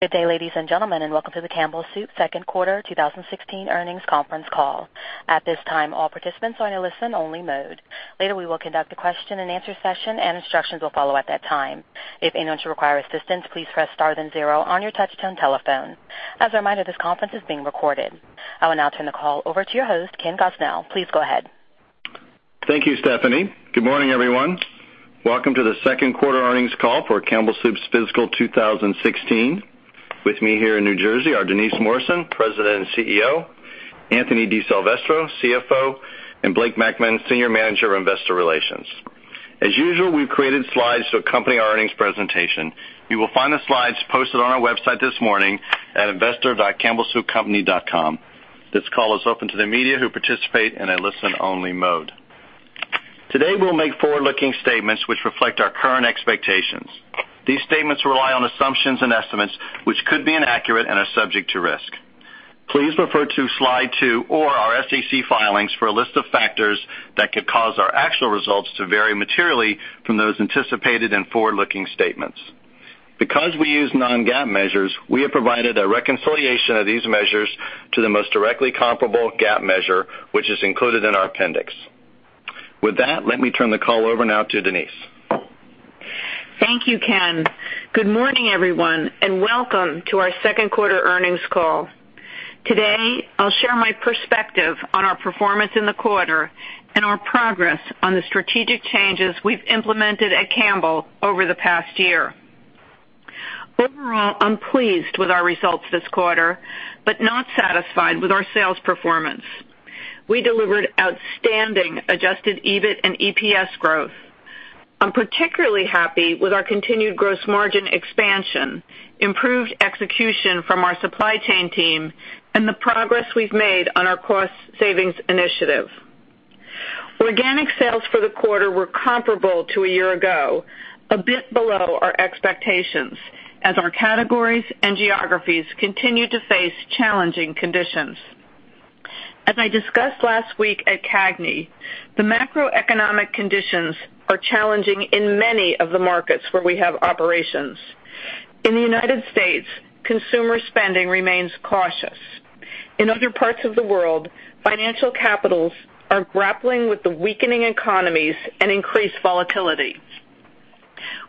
Good day, ladies and gentlemen, and welcome to the Campbell Soup second quarter 2016 earnings conference call. At this time, all participants are in a listen-only mode. Later, we will conduct a question-and-answer session, and instructions will follow at that time. If anyone should require assistance, please press star then zero on your touch-tone telephone. As a reminder, this conference is being recorded. I will now turn the call over to your host, Ken Gosnell. Please go ahead. Thank you, Stephanie. Good morning, everyone. Welcome to the second quarter earnings call for Campbell Soup's fiscal 2016. With me here in New Jersey are Denise Morrison, President and CEO, Anthony DiSilvestro, CFO, and Blake Mackmann, Senior Manager of Investor Relations. As usual, we've created slides to accompany our earnings presentation. You will find the slides posted on our website this morning at investor.campbellsoupcompany.com. This call is open to the media, who participate in a listen-only mode. Today, we'll make forward-looking statements which reflect our current expectations. These statements rely on assumptions and estimates, which could be inaccurate and are subject to risk. Please refer to Slide two or our SEC filings for a list of factors that could cause our actual results to vary materially from those anticipated in forward-looking statements. Because we use non-GAAP measures, we have provided a reconciliation of these measures to the most directly comparable GAAP measure, which is included in our appendix. With that, let me turn the call over now to Denise. Thank you, Ken. Good morning, everyone, and welcome to our second quarter earnings call. Today, I'll share my perspective on our performance in the quarter and our progress on the strategic changes we've implemented at Campbell over the past year. Overall, I'm pleased with our results this quarter, but not satisfied with our sales performance. We delivered outstanding adjusted EBIT and EPS growth. I'm particularly happy with our continued gross margin expansion, improved execution from our supply chain team, and the progress we've made on our cost savings initiative. Organic sales for the quarter were comparable to a year ago, a bit below our expectations, as our categories and geographies continue to face challenging conditions. As I discussed last week at CAGNY, the macroeconomic conditions are challenging in many of the markets where we have operations. In the U.S., consumer spending remains cautious. In other parts of the world, financial capitals are grappling with the weakening economies and increased volatility.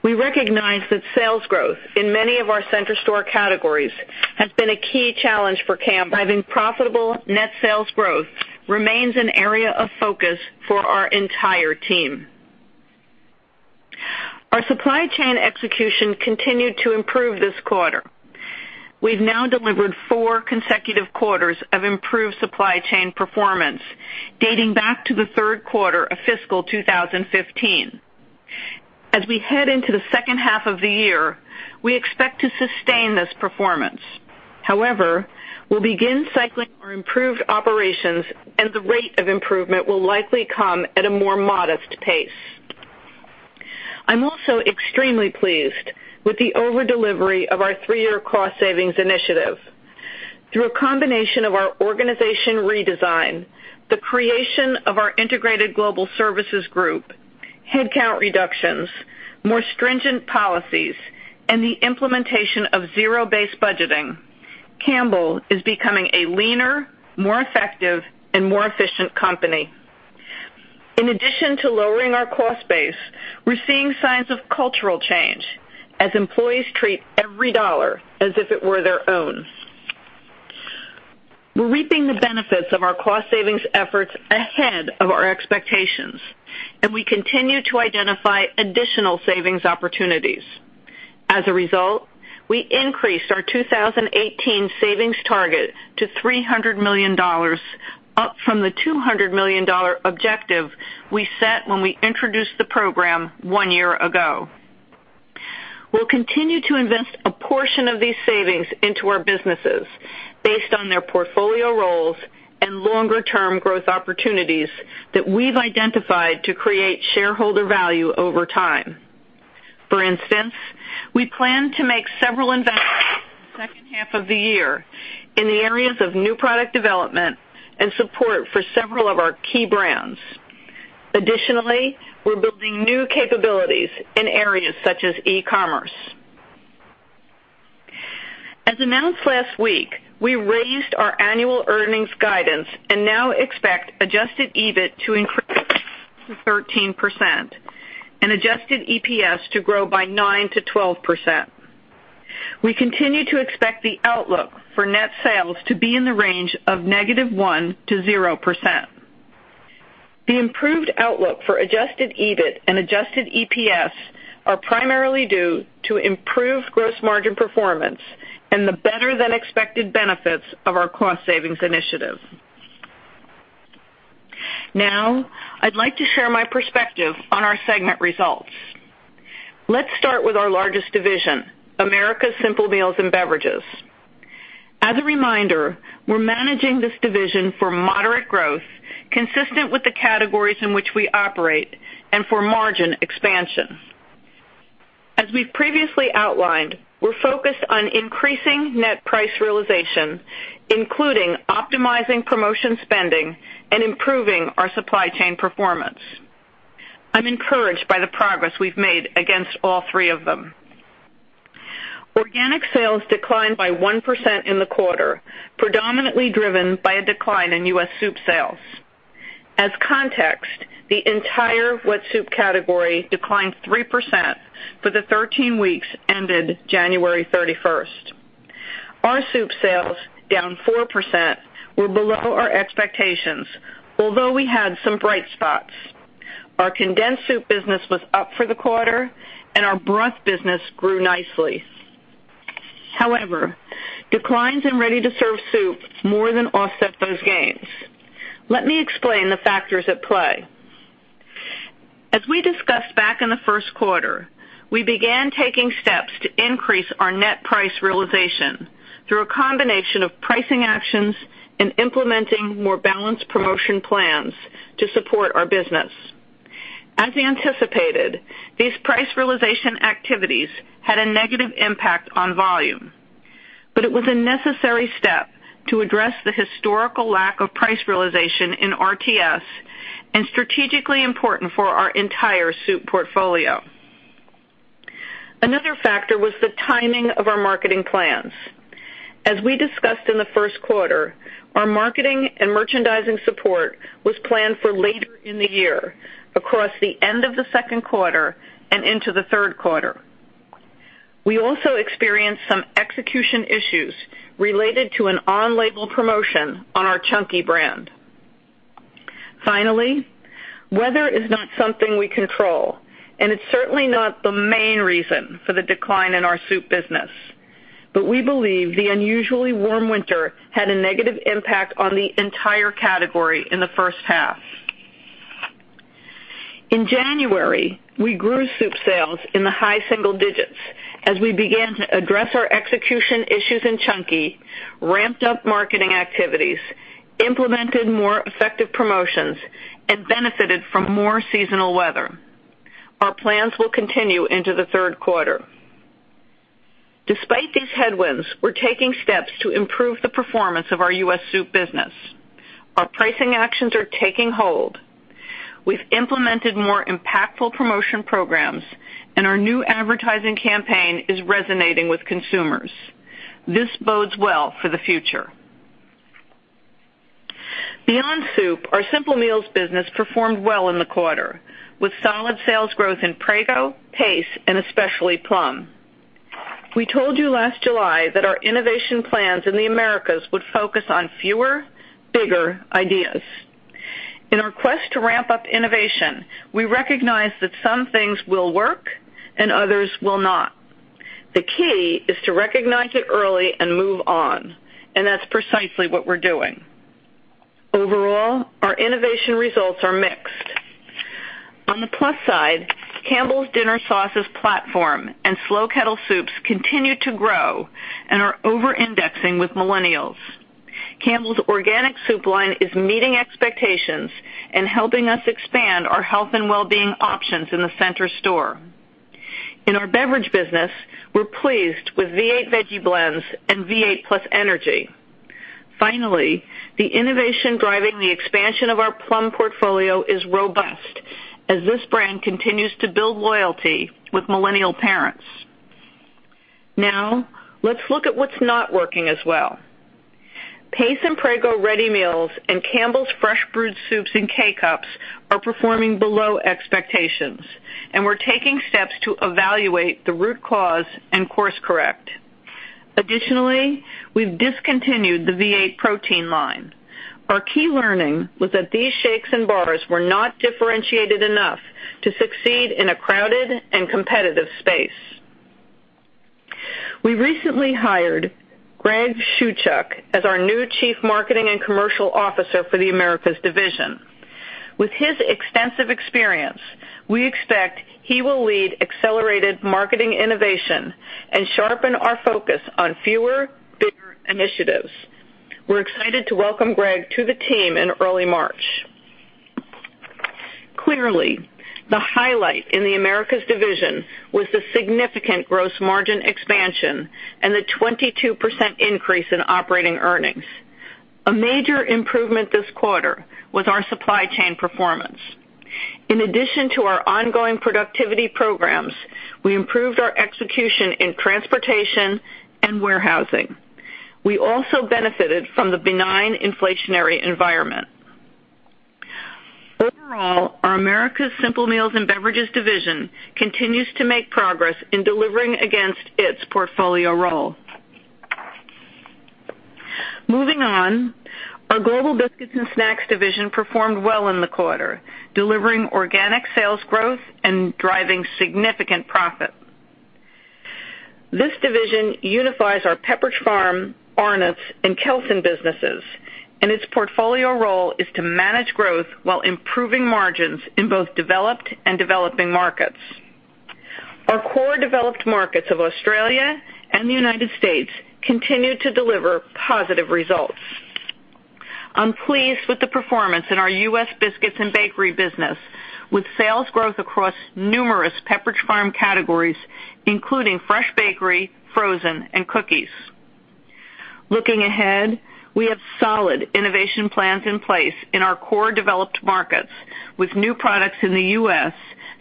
We recognize that sales growth in many of our center store categories has been a key challenge for Campbell. Driving profitable net sales growth remains an area of focus for our entire team. Our supply chain execution continued to improve this quarter. We've now delivered four consecutive quarters of improved supply chain performance, dating back to the third quarter of fiscal 2015. As we head into the second half of the year, we expect to sustain this performance. However, we'll begin cycling our improved operations, and the rate of improvement will likely come at a more modest pace. I'm also extremely pleased with the over-delivery of our three-year cost savings initiative. Through a combination of our organization redesign, the creation of our Integrated Global Services, headcount reductions, more stringent policies, and the implementation of zero-based budgeting, Campbell is becoming a leaner, more effective, and more efficient company. In addition to lowering our cost base, we're seeing signs of cultural change as employees treat every dollar as if it were their own. We're reaping the benefits of our cost savings efforts ahead of our expectations, and we continue to identify additional savings opportunities. As a result, we increased our 2018 savings target to $300 million, up from the $200 million objective we set when we introduced the program one year ago. We'll continue to invest a portion of these savings into our businesses based on their portfolio roles and longer-term growth opportunities that we've identified to create shareholder value over time. For instance, we plan to make several investments in the second half of the year in the areas of new product development and support for several of our key brands. Additionally, we're building new capabilities in areas such as e-commerce. As announced last week, we raised our annual earnings guidance and now expect adjusted EBIT to increase to 13% and adjusted EPS to grow by 9%-12%. We continue to expect the outlook for net sales to be in the range of -1% to 0%. The improved outlook for adjusted EBIT and adjusted EPS are primarily due to improved gross margin performance and the better than expected benefits of our cost savings initiative. Now, I'd like to share my perspective on our segment results. Let's start with our largest division, Americas Simple Meals and Beverages. As a reminder, we're managing this division for moderate growth, consistent with the categories in which we operate, and for margin expansion. As we've previously outlined, we're focused on increasing net price realization, including optimizing promotion spending and improving our supply chain performance. I'm encouraged by the progress we've made against all three of them. Organic sales declined by 1% in the quarter, predominantly driven by a decline in U.S. soup sales. As context, the entire wet soup category declined 3% for the 13 weeks ended January 31st. Our soup sales, down 4%, were below our expectations, although we had some bright spots. Our condensed soup business was up for the quarter, and our broth business grew nicely. However, declines in ready-to-serve soup more than offset those gains. Let me explain the factors at play. As we discussed back in the first quarter, we began taking steps to increase our net price realization through a combination of pricing actions and implementing more balanced promotion plans to support our business. As anticipated, these price realization activities had a negative impact on volume, but it was a necessary step to address the historical lack of price realization in RTS and strategically important for our entire soup portfolio. Another factor was the timing of our marketing plans. As we discussed in the first quarter, our marketing and merchandising support was planned for later in the year across the end of the second quarter and into the third quarter. We also experienced some execution issues related to an on-label promotion on our Chunky brand. Finally, weather is not something we control, and it's certainly not the main reason for the decline in our soup business, but we believe the unusually warm winter had a negative impact on the entire category in the first half. In January, we grew soup sales in the high single digits as we began to address our execution issues in Chunky, ramped up marketing activities, implemented more effective promotions, and benefited from more seasonal weather. Our plans will continue into the third quarter. Despite these headwinds, we're taking steps to improve the performance of our U.S. soup business. Our pricing actions are taking hold. We've implemented more impactful promotion programs, and our new advertising campaign is resonating with consumers. This bodes well for the future. Beyond soup, our Simple Meals business performed well in the quarter, with solid sales growth in Prego, Pace, and especially Plum. We told you last July that our innovation plans in the Americas would focus on fewer, bigger ideas. In our quest to ramp up innovation, we recognize that some things will work and others will not. The key is to recognize it early and move on, and that's precisely what we're doing. Overall, our innovation results are mixed. On the plus side, Campbell's Sauces platform and Campbell's Slow Kettle Style continue to grow and are over-indexing with millennials. Campbell's Organic is meeting expectations and helping us expand our health and wellbeing options in the center store. In our beverage business, we're pleased with V8 Veggie Blends and V8 +Energy. Finally, the innovation driving the expansion of our Plum portfolio is robust as this brand continues to build loyalty with millennial parents. Now, let's look at what's not working as well. Pace and Prego Ready Meals and Campbell's Fresh-Brewed Soups and K-Cups are performing below expectations, and we're taking steps to evaluate the root cause and course correct. Additionally, we've discontinued the V8 Protein line. Our key learning was that these shakes and bars were not differentiated enough to succeed in a crowded and competitive space. We recently hired Greg Shewchuk as our new Chief Marketing and Commercial Officer for the Americas division. With his extensive experience, we expect he will lead accelerated marketing innovation and sharpen our focus on fewer, bigger initiatives. We're excited to welcome Greg to the team in early March. Clearly, the highlight in the Americas division was the significant gross margin expansion and the 22% increase in operating earnings. A major improvement this quarter was our supply chain performance. In addition to our ongoing productivity programs, we improved our execution in transportation and warehousing. We also benefited from the benign inflationary environment. Overall, our Americas Simple Meals and Beverages division continues to make progress in delivering against its portfolio role. Moving on, our Global Biscuits and Snacks division performed well in the quarter, delivering organic sales growth and driving significant profit. This division unifies our Pepperidge Farm, Arnott's, and Kelsen businesses, and its portfolio role is to manage growth while improving margins in both developed and developing markets. Our core developed markets of Australia and the U.S. continue to deliver positive results. I'm pleased with the performance in our U.S. biscuits and bakery business, with sales growth across numerous Pepperidge Farm categories, including fresh bakery, frozen, and cookies. Looking ahead, we have solid innovation plans in place in our core developed markets with new products in the U.S.,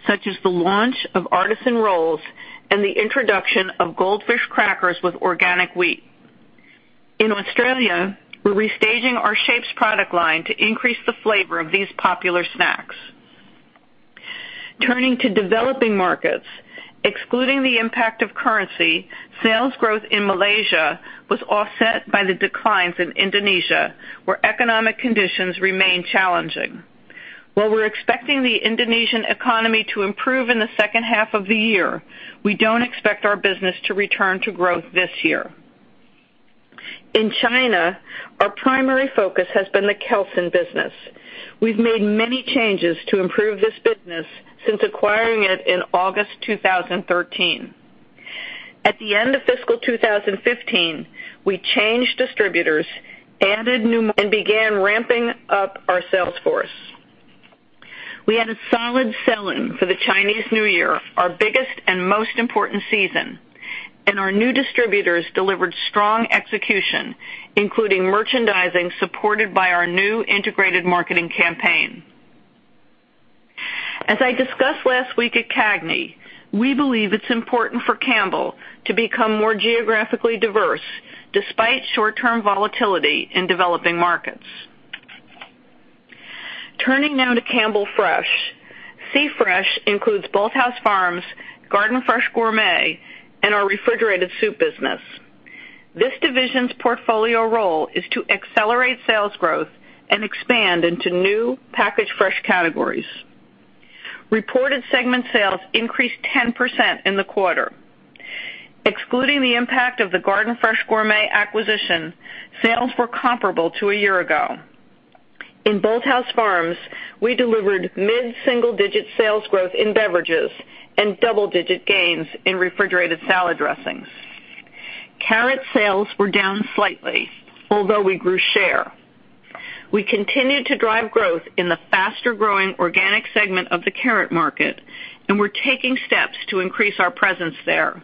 such as the launch of Artisan Rolls and the introduction of Goldfish Crackers with organic wheat. In Australia, we're restaging our Shapes product line to increase the flavor of these popular snacks. Turning to developing markets, excluding the impact of currency, sales growth in Malaysia was offset by the declines in Indonesia, where economic conditions remain challenging. While we're expecting the Indonesian economy to improve in the second half of the year, we don't expect our business to return to growth this year. In China, our primary focus has been the Kelsen business. We've made many changes to improve this business since acquiring it in August 2013. At the end of fiscal 2015, we changed distributors and began ramping up our sales force. We had a solid sell-in for the Chinese New Year, our biggest and most important season, and our new distributors delivered strong execution, including merchandising, supported by our new integrated marketing campaign. As I discussed last week at CAGNY, we believe it's important for Campbell to become more geographically diverse despite short-term volatility in developing markets. Turning now to Campbell Fresh. C-Fresh includes Bolthouse Farms, Garden Fresh Gourmet, and our refrigerated soup business. This division's portfolio role is to accelerate sales growth and expand into new packaged fresh categories. Reported segment sales increased 10% in the quarter. Excluding the impact of the Garden Fresh Gourmet acquisition, sales were comparable to a year ago. In Bolthouse Farms, we delivered mid-single-digit sales growth in beverages and double-digit gains in refrigerated salad dressings. Carrot sales were down slightly, although we grew share. We continued to drive growth in the faster-growing organic segment of the carrot market, and we're taking steps to increase our presence there.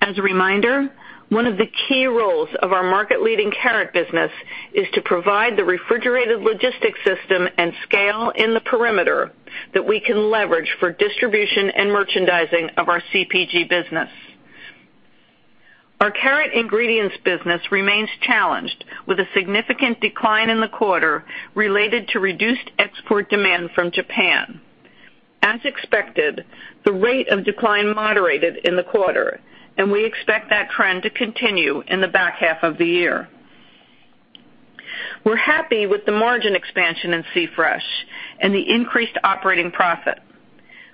As a reminder, one of the key roles of our market-leading carrot business is to provide the refrigerated logistics system and scale in the perimeter that we can leverage for distribution and merchandising of our CPG business. Our carrot ingredients business remains challenged with a significant decline in the quarter related to reduced export demand from Japan. As expected, the rate of decline moderated in the quarter, and we expect that trend to continue in the back half of the year. We're happy with the margin expansion in C-Fresh and the increased operating profit.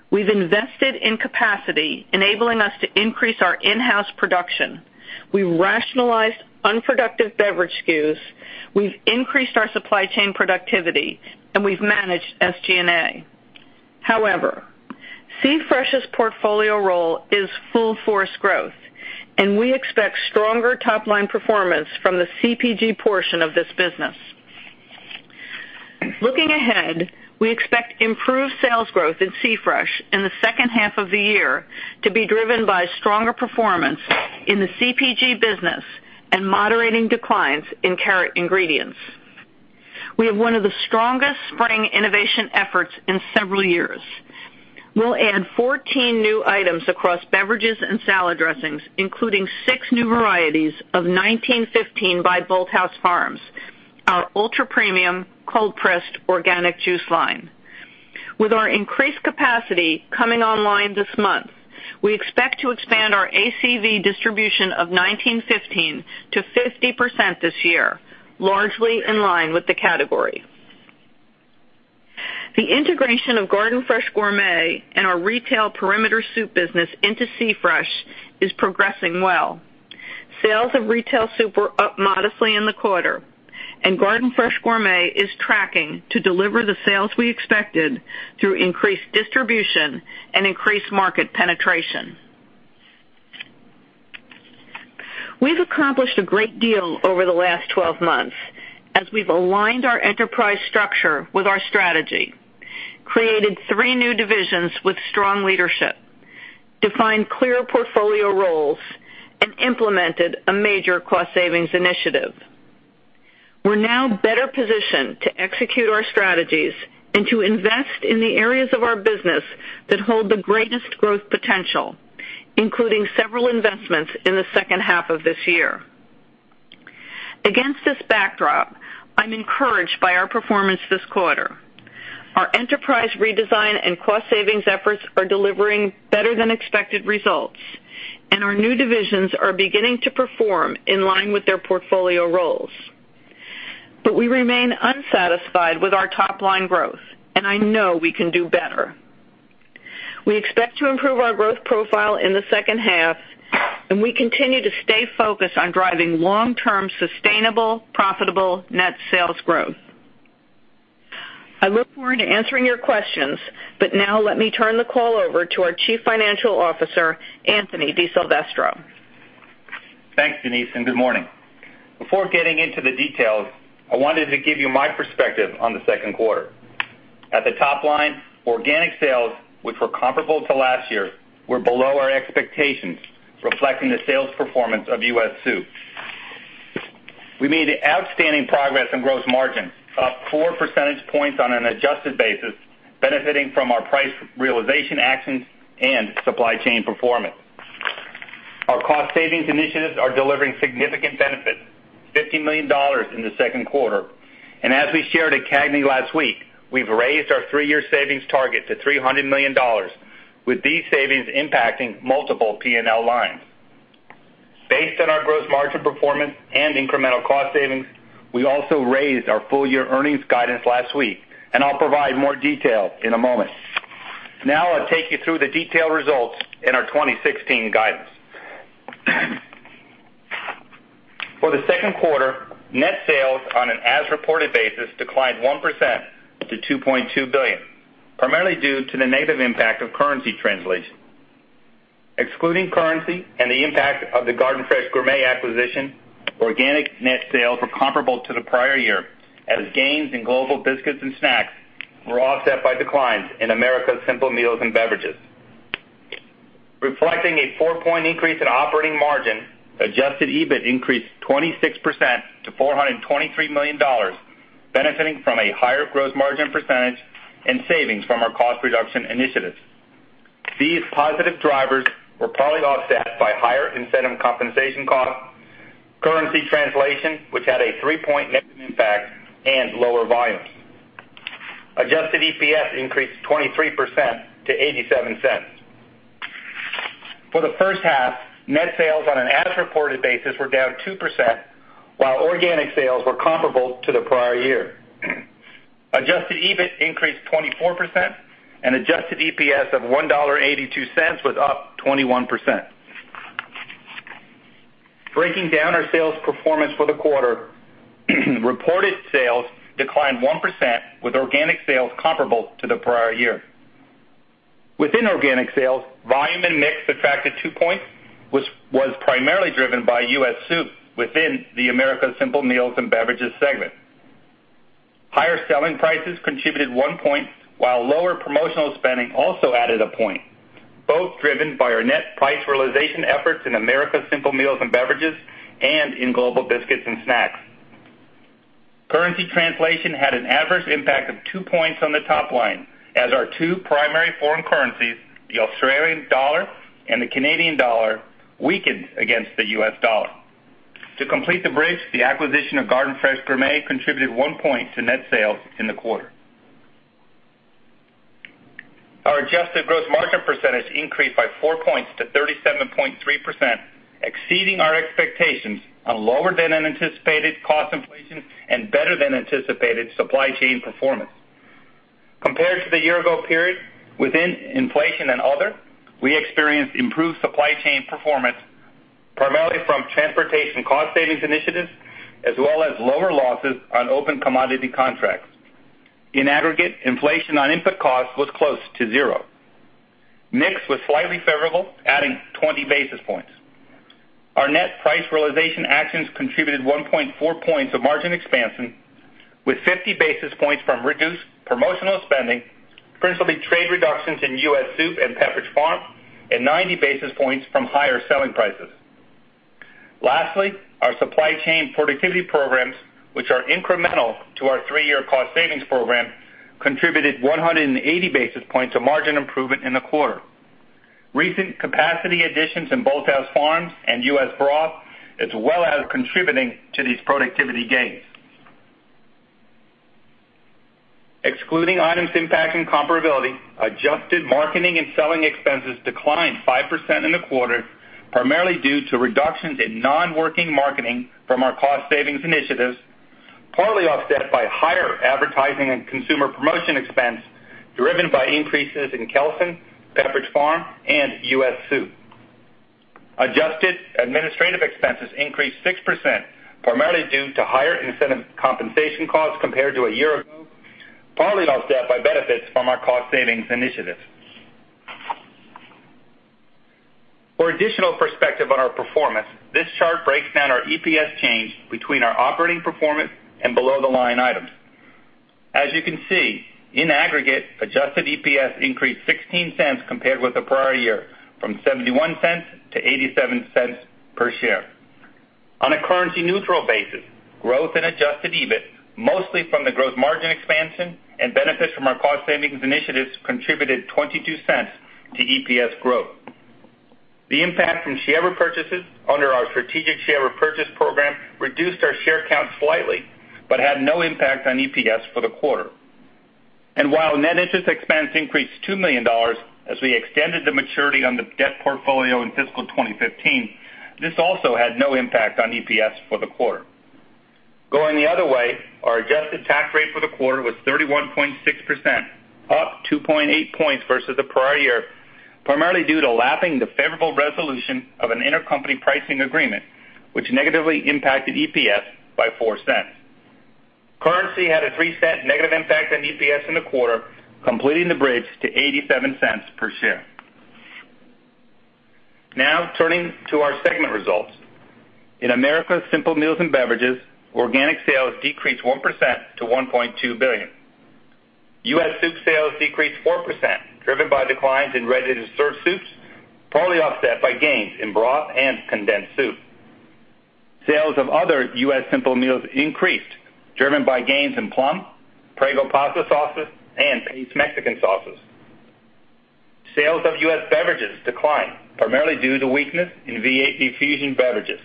We've invested in capacity, enabling us to increase our in-house production. We rationalized unproductive beverage SKUs, we've increased our supply chain productivity, and we've managed SG&A. C-Fresh's portfolio role is full-force growth. We expect stronger top-line performance from the CPG portion of this business. Looking ahead, we expect improved sales growth in C-Fresh in the second half of the year to be driven by stronger performance in the CPG business and moderating declines in carrot ingredients. We have one of the strongest spring innovation efforts in several years. We'll add 14 new items across beverages and salad dressings, including six new varieties of 1915 by Bolthouse Farms, our ultra-premium, cold-pressed organic juice line. With our increased capacity coming online this month, we expect to expand our ACV distribution of 1915 to 50% this year, largely in line with the category. The integration of Garden Fresh Gourmet and our retail perimeter soup business into C-Fresh is progressing well. Sales of retail soup were up modestly in the quarter. Garden Fresh Gourmet is tracking to deliver the sales we expected through increased distribution and increased market penetration. We've accomplished a great deal over the last 12 months as we've aligned our enterprise structure with our strategy, created three new divisions with strong leadership, defined clear portfolio roles, and implemented a major cost savings initiative. We're now better positioned to execute our strategies and to invest in the areas of our business that hold the greatest growth potential, including several investments in the second half of this year. Against this backdrop, I'm encouraged by our performance this quarter. Our enterprise redesign and cost savings efforts are delivering better than expected results. Our new divisions are beginning to perform in line with their portfolio roles. We remain unsatisfied with our top-line growth. I know we can do better. We expect to improve our growth profile in the second half. We continue to stay focused on driving long-term, sustainable, profitable net sales growth. I look forward to answering your questions. Now let me turn the call over to our Chief Financial Officer, Anthony DiSilvestro. Thanks, Denise, and good morning. Before getting into the details, I wanted to give you my perspective on the second quarter. At the top line, organic sales, which were comparable to last year, were below our expectations, reflecting the sales performance of U.S. Soup. We made outstanding progress on gross margin, up four percentage points on an adjusted basis, benefiting from our price realization actions and supply chain performance. Our cost savings initiatives are delivering significant benefits, $50 million in the second quarter. As we shared at CAGNY last week, we've raised our three-year savings target to $300 million with these savings impacting multiple P&L lines. Based on our gross margin performance and incremental cost savings, we also raised our full-year earnings guidance last week. I'll provide more detail in a moment. I'll take you through the detailed results in our 2016 guidance. For the second quarter, net sales on an as-reported basis declined 1% to $2.2 billion, primarily due to the negative impact of currency translation. Excluding currency and the impact of the Garden Fresh Gourmet acquisition, organic net sales were comparable to the prior year as gains in Global Biscuits and Snacks were offset by declines in Americas Simple Meals and Beverages. Reflecting a four-point increase in operating margin, adjusted EBIT increased 26% to $423 million, benefiting from a higher gross margin percentage and savings from our cost reduction initiatives. These positive drivers were partly offset by higher incentive compensation costs, currency translation, which had a three-point negative impact and lower volumes. Adjusted EPS increased 23% to $0.87. For the first half, net sales on an as-reported basis were down 2%, while organic sales were comparable to the prior year. Adjusted EBIT increased 24% and adjusted EPS of $1.82 was up 21%. Breaking down our sales performance for the quarter, reported sales declined 1% with organic sales comparable to the prior year. Within organic sales, volume and mix attracted two points, which was primarily driven by US Soup within the Americas Simple Meals and Beverages segment. Higher selling prices contributed one point, while lower promotional spending also added a point, both driven by our net price realization efforts in Americas Simple Meals and Beverages and in Global Biscuits and Snacks. Currency translation had an adverse impact of two points on the top line as our two primary foreign currencies, the Australian dollar and the Canadian dollar, weakened against the US dollar. To complete the bridge, the acquisition of Garden Fresh Gourmet contributed one point to net sales in the quarter. Our adjusted gross margin percentage increased by four points to 37.3%, exceeding our expectations on lower-than-anticipated cost inflation and better-than-anticipated supply chain performance. Compared to the year ago period within inflation and other, we experienced improved supply chain performance, primarily from transportation cost savings initiatives, as well as lower losses on open commodity contracts. In aggregate, inflation on input costs was close to zero. Mix was slightly favorable, adding 20 basis points. Our net price realization actions contributed 1.4 points of margin expansion with 50 basis points from reduced promotional spending, principally trade reductions in US Soup and Pepperidge Farm, and 90 basis points from higher selling prices. Lastly, our supply chain productivity programs, which are incremental to our three-year cost savings program, contributed 180 basis points of margin improvement in the quarter. Recent capacity additions in Bolthouse Farms and US Broth as well as contributing to these productivity gains. Excluding items impacting comparability, adjusted marketing and selling expenses declined 5% in the quarter, primarily due to reductions in non-working marketing from our cost savings initiatives, partly offset by higher advertising and consumer promotion expense driven by increases in Kettle, Pepperidge Farm, and US Soup. Adjusted administrative expenses increased 6%, primarily due to higher incentive compensation costs compared to a year ago, partly offset by benefits from our cost savings initiatives. For additional perspective on our performance, this chart breaks down our EPS change between our operating performance and below-the-line items. As you can see, in aggregate, adjusted EPS increased $0.16 compared with the prior year, from $0.71 to $0.87 per share. On a currency-neutral basis, growth in adjusted EBIT, mostly from the gross margin expansion and benefits from our cost savings initiatives, contributed $0.22 to EPS growth. The impact from share repurchases under our strategic share repurchase program reduced our share count slightly, but had no impact on EPS for the quarter. While net interest expense increased $2 million as we extended the maturity on the debt portfolio in fiscal 2015, this also had no impact on EPS for the quarter. Going the other way, our adjusted tax rate for the quarter was 31.6%, up 2.8 points versus the prior year, primarily due to lapping the favorable resolution of an intercompany pricing agreement, which negatively impacted EPS by $0.04. Currency had a $0.03 negative impact on EPS in the quarter, completing the bridge to $0.87 per share. Now turning to our segment results. In Americas Simple Meals and Beverages, organic sales decreased 1% to $1.2 billion. U.S. soup sales decreased 4%, driven by declines in ready-to-serve soups, partly offset by gains in broth and condensed soup. Sales of other U.S. simple meals increased, driven by gains in Plum, Prego pasta sauces, and Pace Mexican sauces. Sales of U.S. beverages declined, primarily due to weakness in V8 Fusion beverages.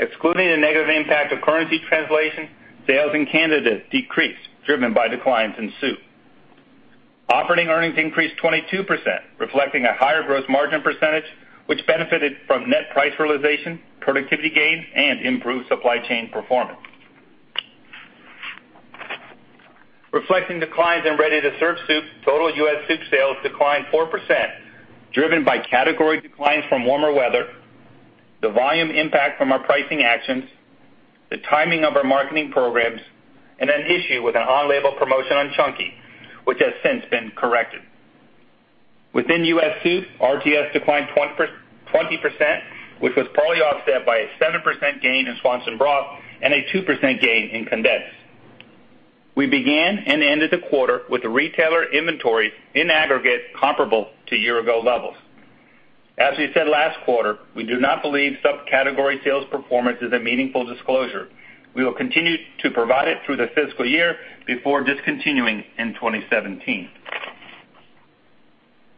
Excluding the negative impact of currency translation, sales in Canada decreased, driven by declines in soup. Operating earnings increased 22%, reflecting a higher gross margin percentage, which benefited from net price realization, productivity gains, and improved supply chain performance. Reflecting declines in ready-to-serve soup, total U.S. soup sales declined 4%, driven by category declines from warmer weather, the volume impact from our pricing actions, the timing of our marketing programs, and an issue with an on-label promotion on Chunky, which has since been corrected. Within U.S. soup, RTS declined 20%, which was partly offset by a 7% gain in Swanson broth and a 2% gain in condensed. We began and ended the quarter with the retailer inventory in aggregate comparable to year-ago levels. As we said last quarter, we do not believe subcategory sales performance is a meaningful disclosure. We will continue to provide it through the fiscal year before discontinuing in 2017.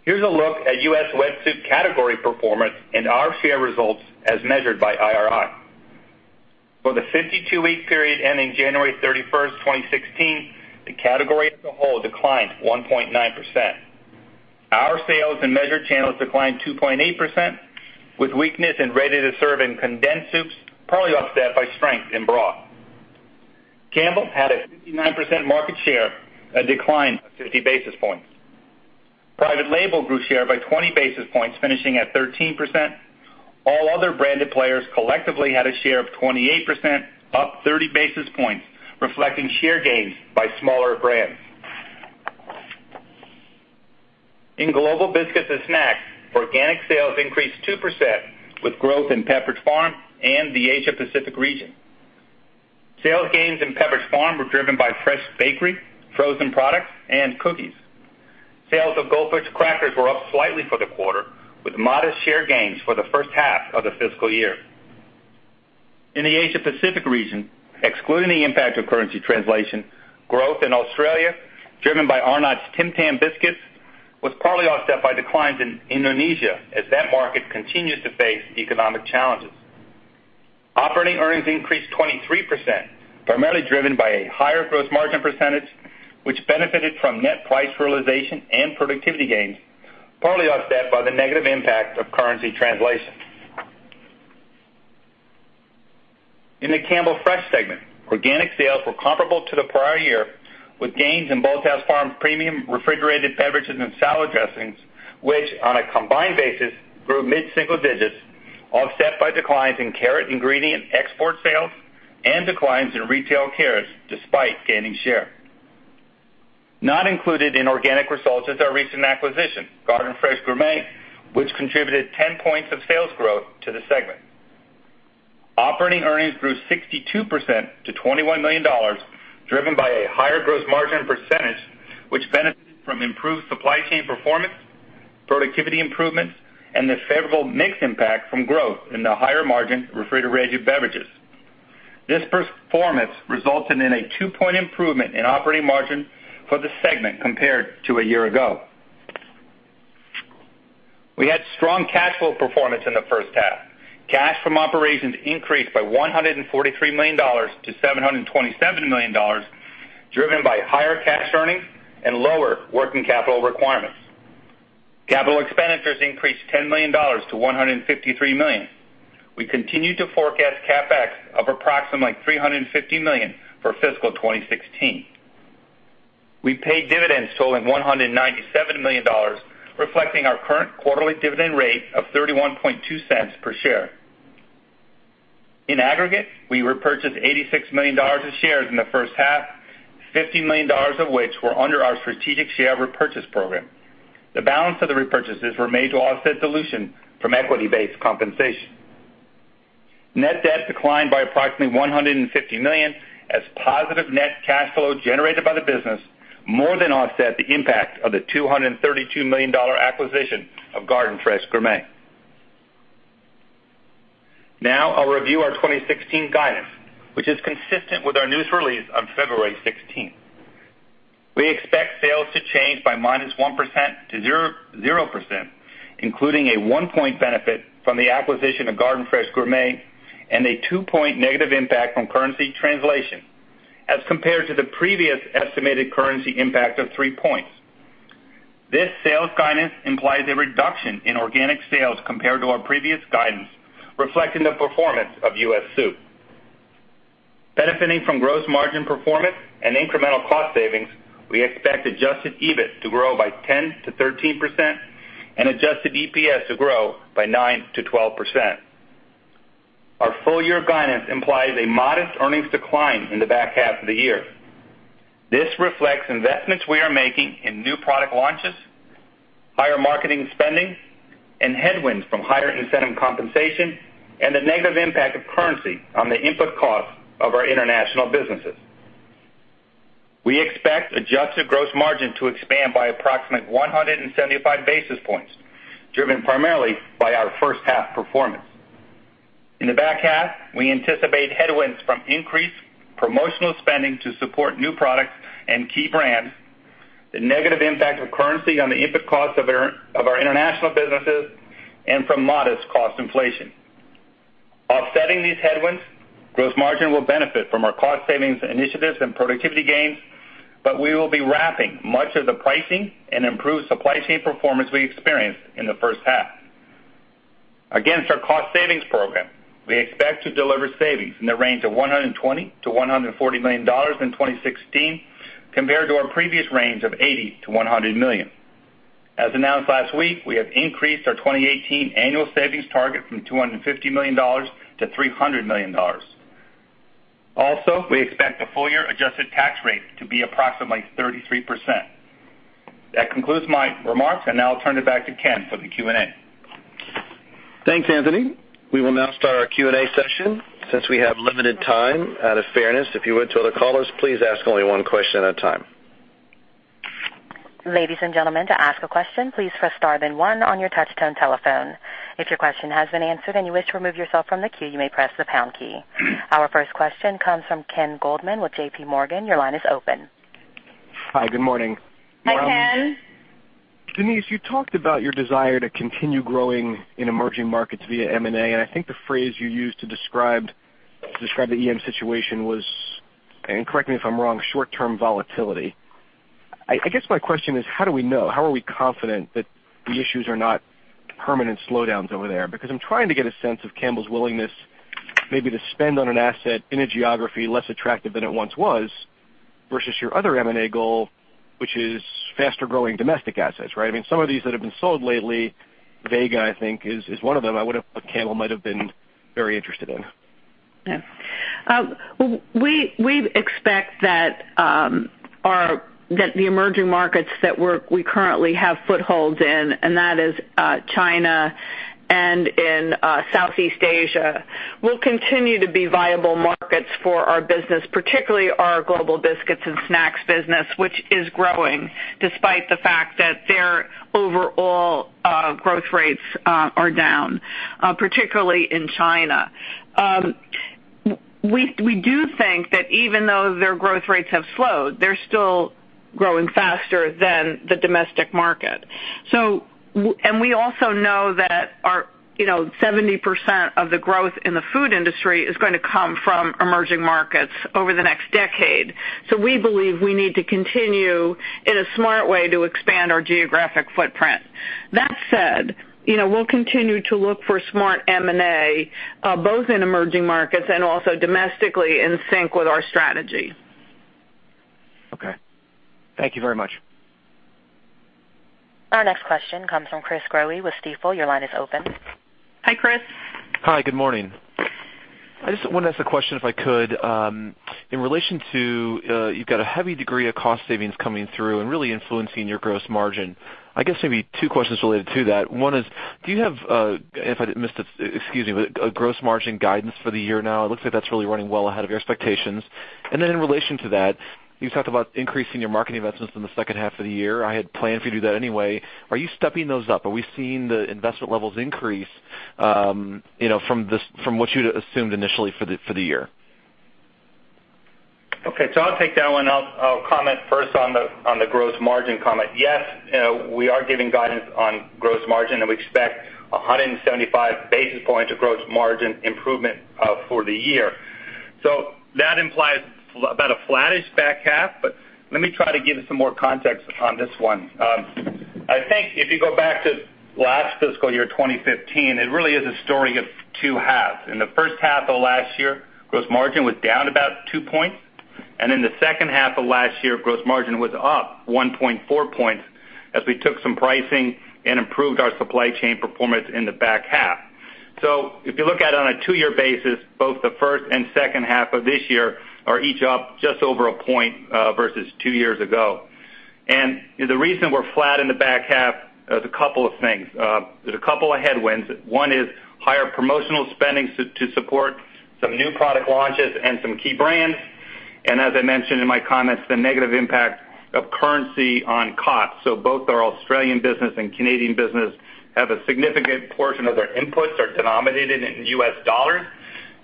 Here's a look at U.S. wet soup category performance and our share results as measured by IRI. For the 52-week period ending January 31st, 2016, the category as a whole declined 1.9%. Our sales in measured channels declined 2.8%, with weakness in ready-to-serve and condensed soups, partly offset by strength in broth. Campbell had a 59% market share, a decline of 50 basis points. Private label grew share by 20 basis points, finishing at 13%. All other branded players collectively had a share of 28%, up 30 basis points, reflecting share gains by smaller brands. In Global Biscuits and Snacks, organic sales increased 2%, with growth in Pepperidge Farm and the Asia-Pacific region. Sales gains in Pepperidge Farm were driven by fresh bakery, frozen products, and cookies. Sales of Goldfish Crackers were up slightly for the quarter, with modest share gains for the first half of the fiscal year. In the Asia-Pacific region, excluding the impact of currency translation, growth in Australia, driven by Arnott's Tim Tam biscuits, was partly offset by declines in Indonesia as that market continues to face economic challenges. Operating earnings increased 23%, primarily driven by a higher gross margin percentage, which benefited from net price realization and productivity gains, partly offset by the negative impact of currency translation. In the Campbell Fresh, organic sales were comparable to the prior year, with gains in Bolthouse Farms premium refrigerated beverages and salad dressings, which on a combined basis grew mid-single digits, offset by declines in carrot ingredient export sales and declines in retail carrots, despite gaining share. Not included in organic results is our recent acquisition, Garden Fresh Gourmet, which contributed 10 points of sales growth to the segment. Operating earnings grew 62% to $21 million, driven by a higher gross margin percentage, which benefited from improved supply chain performance, productivity improvements, and the favorable mix impact from growth in the higher-margin refrigerated beverages. This performance resulted in a two-point improvement in operating margin for the segment compared to a year ago. We had strong cash flow performance in the first half. Cash from operations increased by $143 million to $727 million, driven by higher cash earnings and lower working capital requirements. Capital expenditures increased $10 million to $153 million. We continue to forecast CapEx of approximately $350 million for fiscal 2016. We paid dividends totaling $197 million, reflecting our current quarterly dividend rate of $0.312 per share. In aggregate, we repurchased $86 million of shares in the first half, $50 million of which were under our strategic share repurchase program. The balance of the repurchases were made to offset dilution from equity-based compensation. Net debt declined by approximately $150 million as positive net cash flow generated by the business more than offset the impact of the $232 million acquisition of Garden Fresh Gourmet. Now I'll review our 2016 guidance, which is consistent with our news release on February 16th. We expect sales to change by -1% to 0%, including a one-point benefit from the acquisition of Garden Fresh Gourmet and a two-point negative impact from currency translation, as compared to the previous estimated currency impact of three points. This sales guidance implies a reduction in organic sales compared to our previous guidance, reflecting the performance of U.S. soup. Benefiting from gross margin performance and incremental cost savings, we expect adjusted EBIT to grow by 10%-13% and adjusted EPS to grow by 9%-12%. Full year guidance implies a modest earnings decline in the back half of the year. This reflects investments we are making in new product launches, higher marketing spending, and headwinds from higher incentive compensation, and the negative impact of currency on the input cost of our international businesses. We expect adjusted gross margin to expand by approximately 175 basis points, driven primarily by our first half performance. In the back half, we anticipate headwinds from increased promotional spending to support new products and key brands, the negative impact of currency on the input cost of our international businesses, and from modest cost inflation. Offsetting these headwinds, gross margin will benefit from our cost savings initiatives and productivity gains, but we will be wrapping much of the pricing and improved supply chain performance we experienced in the first half. Against our cost savings program, we expect to deliver savings in the range of $120 million-$140 million in 2016, compared to our previous range of $80 million-$100 million. As announced last week, we have increased our 2018 annual savings target from $250 million-$300 million. We expect the full year adjusted tax rate to be approximately 33%. That concludes my remarks. Now I'll turn it back to Ken for the Q&A. Thanks, Anthony. We will now start our Q&A session. Since we have limited time, out of fairness, if you wait to other callers, please ask only one question at a time. Ladies and gentlemen, to ask a question, please press star then one on your touch tone telephone. If your question has been answered and you wish to remove yourself from the queue, you may press the pound key. Our first question comes from Ken Goldman with JPMorgan. Your line is open. Hi, good morning. Hi, Ken. Denise, you talked about your desire to continue growing in emerging markets via M&A. I think the phrase you used to describe the EM situation was, and correct me if I'm wrong, short-term volatility. I guess my question is how do we know? How are we confident that the issues are not permanent slowdowns over there? I'm trying to get a sense of Campbell's willingness maybe to spend on an asset in a geography less attractive than it once was versus your other M&A goal, which is faster growing domestic assets, right? Some of these that have been sold lately, Vega, I think is one of them, Campbell might've been very interested in. We expect that the emerging markets that we currently have footholds in, and that is China and in Southeast Asia, will continue to be viable markets for our business, particularly our Global Biscuits and Snacks business, which is growing despite the fact that their overall growth rates are down, particularly in China. We do think that even though their growth rates have slowed, they're still growing faster than the domestic market. We also know that 70% of the growth in the food industry is going to come from emerging markets over the next decade. We believe we need to continue, in a smart way, to expand our geographic footprint. That said, we'll continue to look for smart M&A, both in emerging markets and also domestically in sync with our strategy. Thank you very much. Our next question comes from Chris Growe with Stifel. Your line is open. Hi, Chris. Hi, good morning. I just want to ask a question, if I could, in relation to. You've got a heavy degree of cost savings coming through and really influencing your gross margin. I guess maybe two questions related to that. One is, do you have, if I missed it, excuse me, a gross margin guidance for the year now? It looks like that's really running well ahead of your expectations. Then in relation to that, you talked about increasing your marketing investments in the second half of the year. I had planned for you to do that anyway. Are you stepping those up? Are we seeing the investment levels increase from what you'd assumed initially for the year? Okay. I'll take that one. I'll comment first on the gross margin comment. Yes, we are giving guidance on gross margin. We expect 175 basis points of gross margin improvement for the year. That implies about a flattish back half, let me try to give some more context on this one. I think if you go back to last fiscal year, 2015, it really is a story of two halves. In the first half of last year, gross margin was down about two points. In the second half of last year, gross margin was up 1.4 points as we took some pricing and improved our supply chain performance in the back half. If you look at it on a two-year basis, both the first and second half of this year are each up just over a point, versus two years ago. The reason we're flat in the back half, there's a couple of things. There's a couple of headwinds. One is higher promotional spending to support some new product launches and some key brands. As I mentioned in my comments, the negative impact of currency on costs. Both our Australian business and Canadian business have a significant portion of their inputs are denominated in US dollars.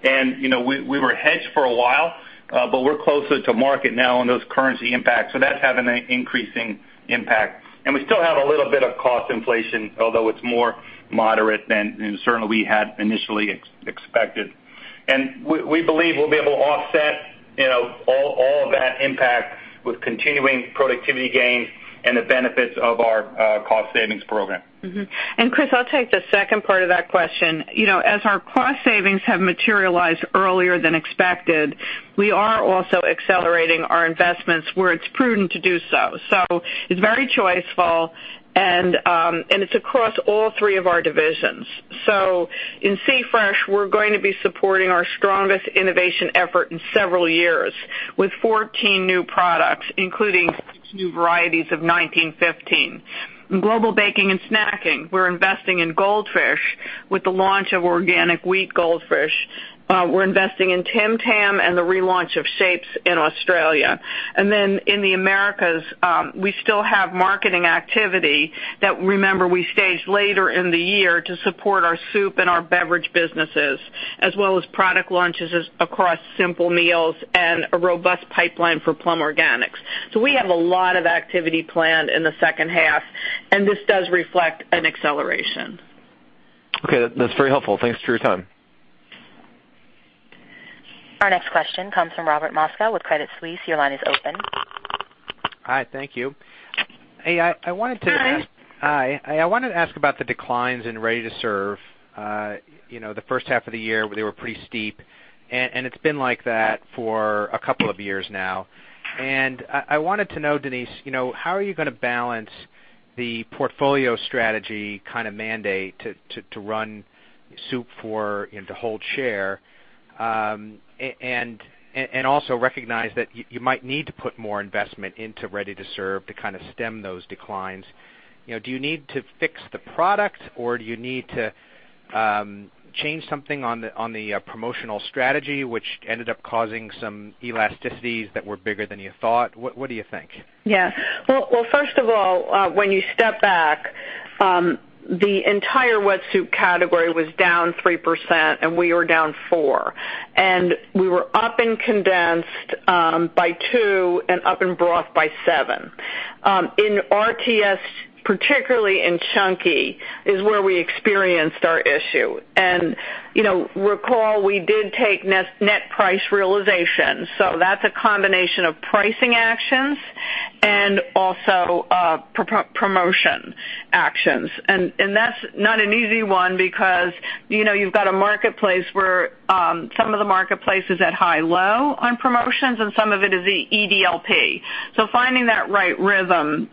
We were hedged for a while, but we're closer to market now on those currency impacts, so that's having an increasing impact. We still have a little bit of cost inflation, although it's more moderate than certainly we had initially expected. We believe we'll be able to offset all of that impact with continuing productivity gains and the benefits of our cost savings program. Chris, I'll take the second part of that question. As our cost savings have materialized earlier than expected, we are also accelerating our investments where it's prudent to do so. It's very choiceful, and it's across all three of our divisions. In C-Fresh, we're going to be supporting our strongest innovation effort in several years with 14 new products, including six new varieties of 1915. In Global Biscuits and Snacks, we're investing in Goldfish with the launch of organic wheat Goldfish. We're investing in Tim Tam and the relaunch of Shapes in Australia. In the Americas, we still have marketing activity that, remember, we staged later in the year to support our soup and our beverage businesses, as well as product launches across simple meals and a robust pipeline for Plum Organics. We have a lot of activity planned in the second half, and this does reflect an acceleration. Okay. That's very helpful. Thanks for your time. Our next question comes from Robert Moskow with Credit Suisse. Your line is open. Hi, thank you. Hi. Hi. I wanted to ask about the declines in ready-to-serve, the first half of the year where they were pretty steep, and it's been like that for a couple of years now. I wanted to know, Denise, how are you gonna balance the portfolio strategy mandate to run soup to hold share, and also recognize that you might need to put more investment into ready-to-serve to stem those declines. Do you need to fix the product, or do you need to change something on the promotional strategy which ended up causing some elasticities that were bigger than you thought? What do you think? Yeah. Well, first of all, when you step back, the entire wet soup category was down 3%, and we were down 4%. We were up in condensed by 2% and up in broth by 7%. In RTS, particularly in Campbell's Chunky, is where we experienced our issue. Recall, we did take net price realization. That's a combination of pricing actions and also promotion actions. That's not an easy one because you've got a marketplace where some of the marketplace is at high-low on promotions, and some of it is the EDLP. Finding that right rhythm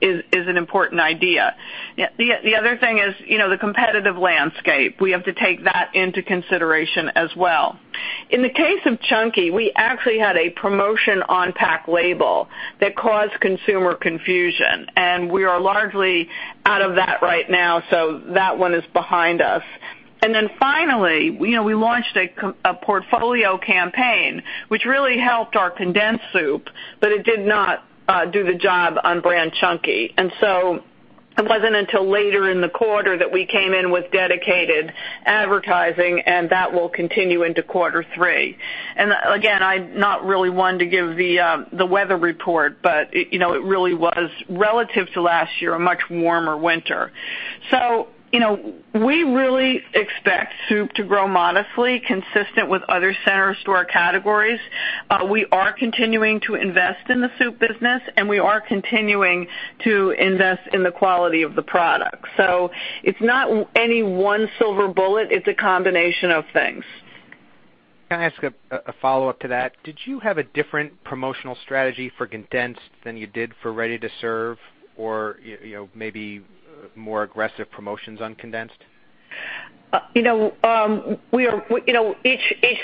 is an important idea. The other thing is the competitive landscape. We have to take that into consideration as well. In the case of Chunky, we actually had a promotion on pack label that caused consumer confusion. We are largely out of that right now, so that one is behind us. Finally, we launched a portfolio campaign, which really helped our condensed soup, but it did not do the job on brand Chunky. It wasn't until later in the quarter that we came in with dedicated advertising, and that will continue into quarter three. Again, I'm not really one to give the weather report, but it really was, relative to last year, a much warmer winter. We really expect soup to grow modestly consistent with other center store categories. We are continuing to invest in the soup business, and we are continuing to invest in the quality of the product. It's not any one silver bullet; it's a combination of things. Can I ask a follow-up to that? Did you have a different promotional strategy for condensed than you did for ready-to-serve or maybe more aggressive promotions on condensed? Each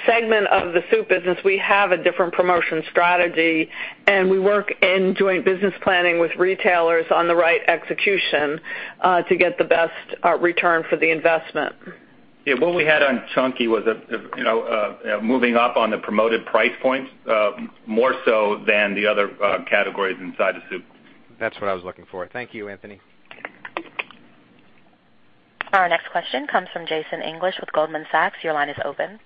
segment of the soup business, we have a different promotion strategy. We work in joint business planning with retailers on the right execution to get the best return for the investment. Yeah. What we had on Chunky was moving up on the promoted price points more so than the other categories inside of soup. That's what I was looking for. Thank you, Anthony. Our next question comes from Jason English with Goldman Sachs. Your line is open.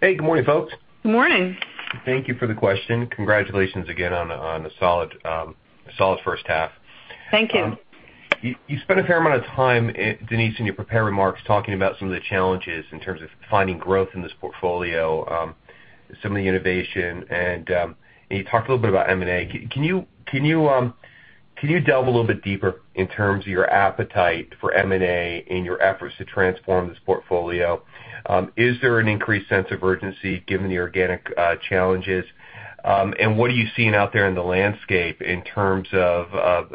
Hey, good morning, folks. Good morning. Thank you for the question. Congratulations again on a solid first half. Thank you. You spent a fair amount of time, Denise, in your prepared remarks talking about some of the challenges in terms of finding growth in this portfolio, some of the innovation, and you talked a little bit about M&A. Can you delve a little bit deeper in terms of your appetite for M&A and your efforts to transform this portfolio? Is there an increased sense of urgency given the organic challenges? What are you seeing out there in the landscape in terms of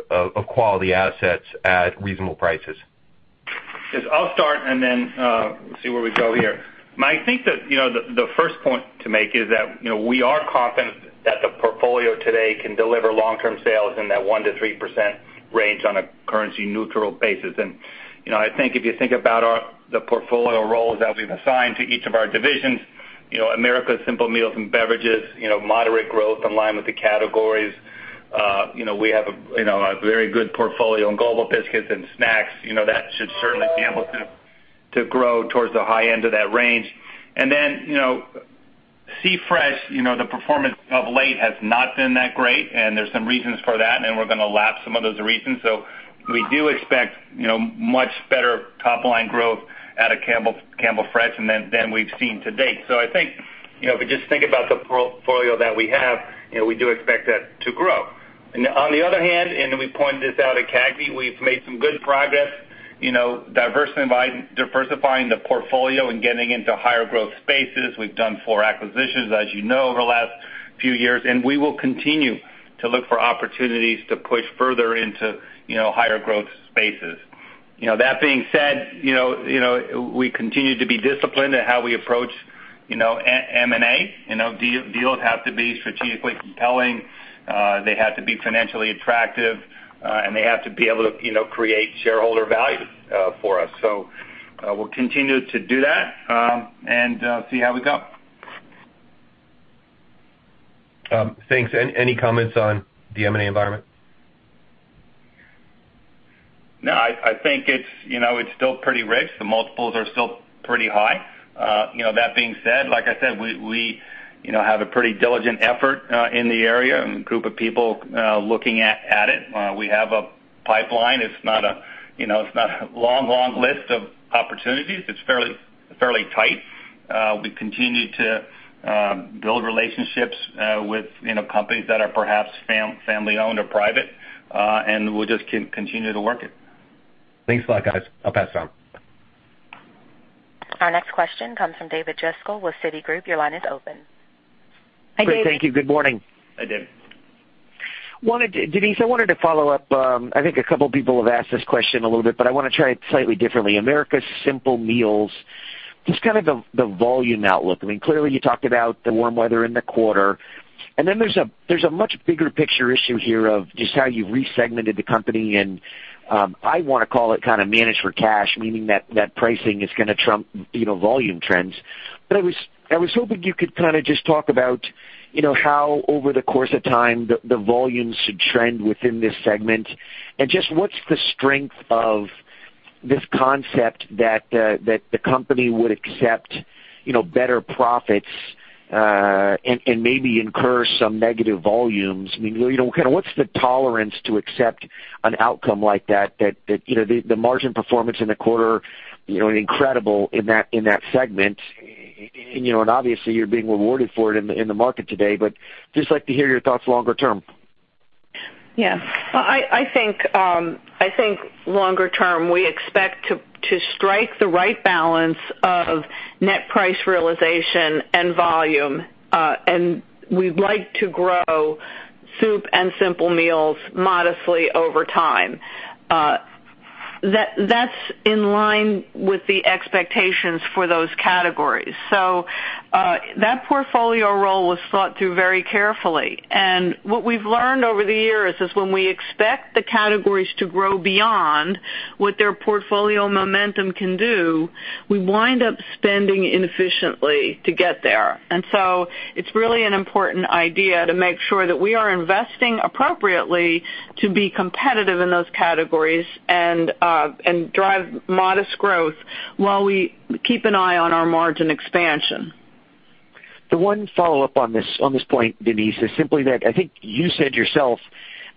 quality assets at reasonable prices? Chris, I'll start and then see where we go here. I think that the first point to make is that we are confident that the portfolio today can deliver long-term sales in that 1%-3% range on a currency-neutral basis. If you think about the portfolio roles that we've assigned to each of our divisions, Americas Simple Meals and Beverages, moderate growth in line with the categories. We have a very good portfolio in Global Biscuits and Snacks. That should certainly be able to grow towards the high end of that range. Then C-Fresh, the performance of late has not been that great, and there's some reasons for that, and we're gonna lap some of those reasons. We do expect much better top-line growth out of Campbell Fresh than we've seen to date. I think, if we just think about the portfolio that we have, we do expect that to grow. On the other hand, and we pointed this out at CAGNY, we've made some good progress diversifying the portfolio and getting into higher growth spaces. We've done four acquisitions, as you know, over the last few years, and we will continue to look for opportunities to push further into higher growth spaces. That being said, we continue to be disciplined at how we approach M&A. Deals have to be strategically compelling, they have to be financially attractive, and they have to be able to create shareholder value for us. We'll continue to do that and see how we go. Thanks. Any comments on the M&A environment? No, I think it's still pretty rich. The multiples are still pretty high. That being said, like I said, we have a pretty diligent effort in the area and a group of people looking at it. We have a pipeline. It's not a long list of opportunities. It's fairly tight. We continue to build relationships with companies that are perhaps family-owned or private, and we'll just continue to work it. Thanks a lot, guys. I'll pass it on. Our next question comes from David Driscoll with Citigroup. Your line is open. Hi, Dave. Thank you. Good morning. Hi, Dave. Denise, I wanted to follow up. I think a couple people have asked this question a little bit, but I want to try it slightly differently. Americas Simple Meals, just kind of the volume outlook. Clearly, you talked about the warm weather in the quarter, and then there's a much bigger picture issue here of just how you've resegmented the company and I want to call it kind of manage for cash, meaning that pricing is going to trump volume trends. I was hoping you could kind of just talk about how over the course of time, the volumes should trend within this segment, and just what's the strength of this concept that the company would accept better profits and maybe incur some negative volumes. What's the tolerance to accept an outcome like that? The margin performance in the quarter, incredible in that segment, obviously, you're being rewarded for it in the market today, just like to hear your thoughts longer term. Yes. I think longer term, we expect to strike the right balance of net price realization and volume, we'd like to grow soup and Simple Meals modestly over time. That's in line with the expectations for those categories. That portfolio role was thought through very carefully, what we've learned over the years is when we expect the categories to grow beyond what their portfolio momentum can do, we wind up spending inefficiently to get there. It's really an important idea to make sure that we are investing appropriately to be competitive in those categories and drive modest growth while we keep an eye on our margin expansion. The one follow-up on this point, Denise, is simply that I think you said yourself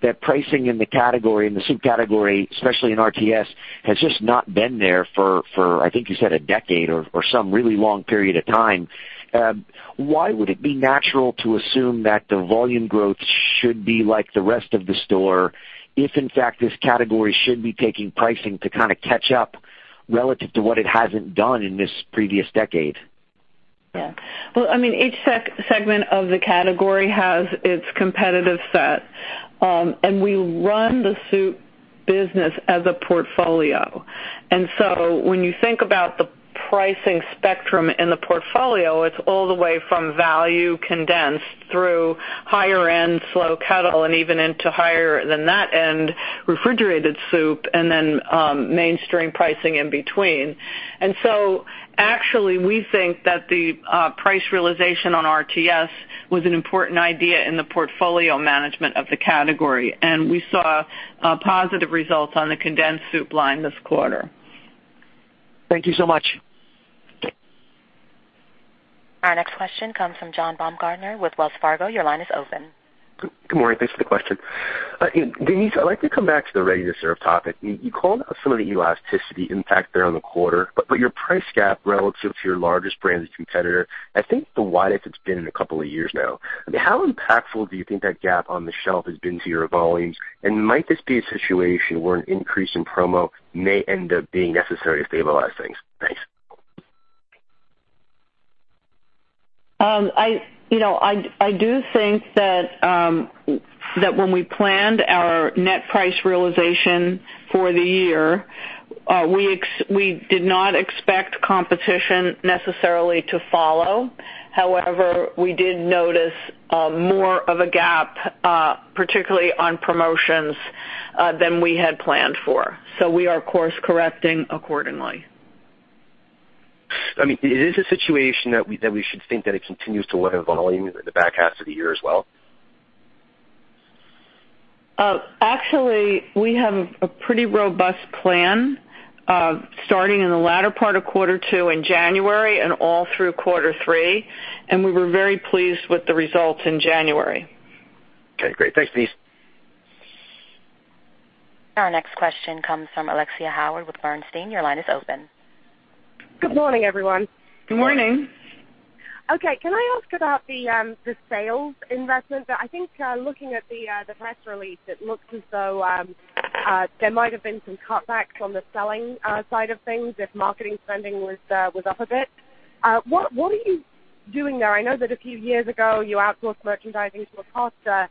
that pricing in the category, in the soup category, especially in RTS, has just not been there for, I think you said a decade or some really long period of time. Why would it be natural to assume that the volume growth should be like the rest of the store if, in fact, this category should be taking pricing to kind of catch up relative to what it hasn't done in this previous decade? Each segment of the category has its competitive set. We run the soup business as a portfolio. When you think about the pricing spectrum in the portfolio, it's all the way from value condensed through higher end Slow Kettle, and even into higher than that end, refrigerated soup, and then mainstream pricing in between. Actually, we think that the price realization on RTS was an important idea in the portfolio management of the category, and we saw positive results on the condensed soup line this quarter. Thank you so much. Our next question comes from John Baumgartner with Wells Fargo. Your line is open. Good morning. Thanks for the question. Denise, I'd like to come back to the ready-to-serve topic. You called out some of the elasticity impact there on the quarter, but your price gap relative to your largest branded competitor, I think the widest it's been in a couple of years now. How impactful do you think that gap on the shelf has been to your volumes? Might this be a situation where an increase in promo may end up being necessary to stabilize things? Thanks. I do think that when we planned our net price realization for the year, we did not expect competition necessarily to follow. However, we did notice more of a gap, particularly on promotions, than we had planned for. We are course correcting accordingly. Is this a situation that we should think that it continues to weather volumes in the back half of the year as well? Actually, we have a pretty robust plan starting in the latter part of quarter two in January and all through quarter three, and we were very pleased with the results in January. Okay, great. Thanks, Denise. Our next question comes from Alexia Howard with Bernstein. Your line is open. Good morning, everyone. Good morning. Okay. Can I ask about the sales investment? I think looking at the press release, it looks as though there might have been some cutbacks on the selling side of things if marketing spending was up a bit. What are you doing there? I know that a few years ago, you outsourced merchandising to Acosta.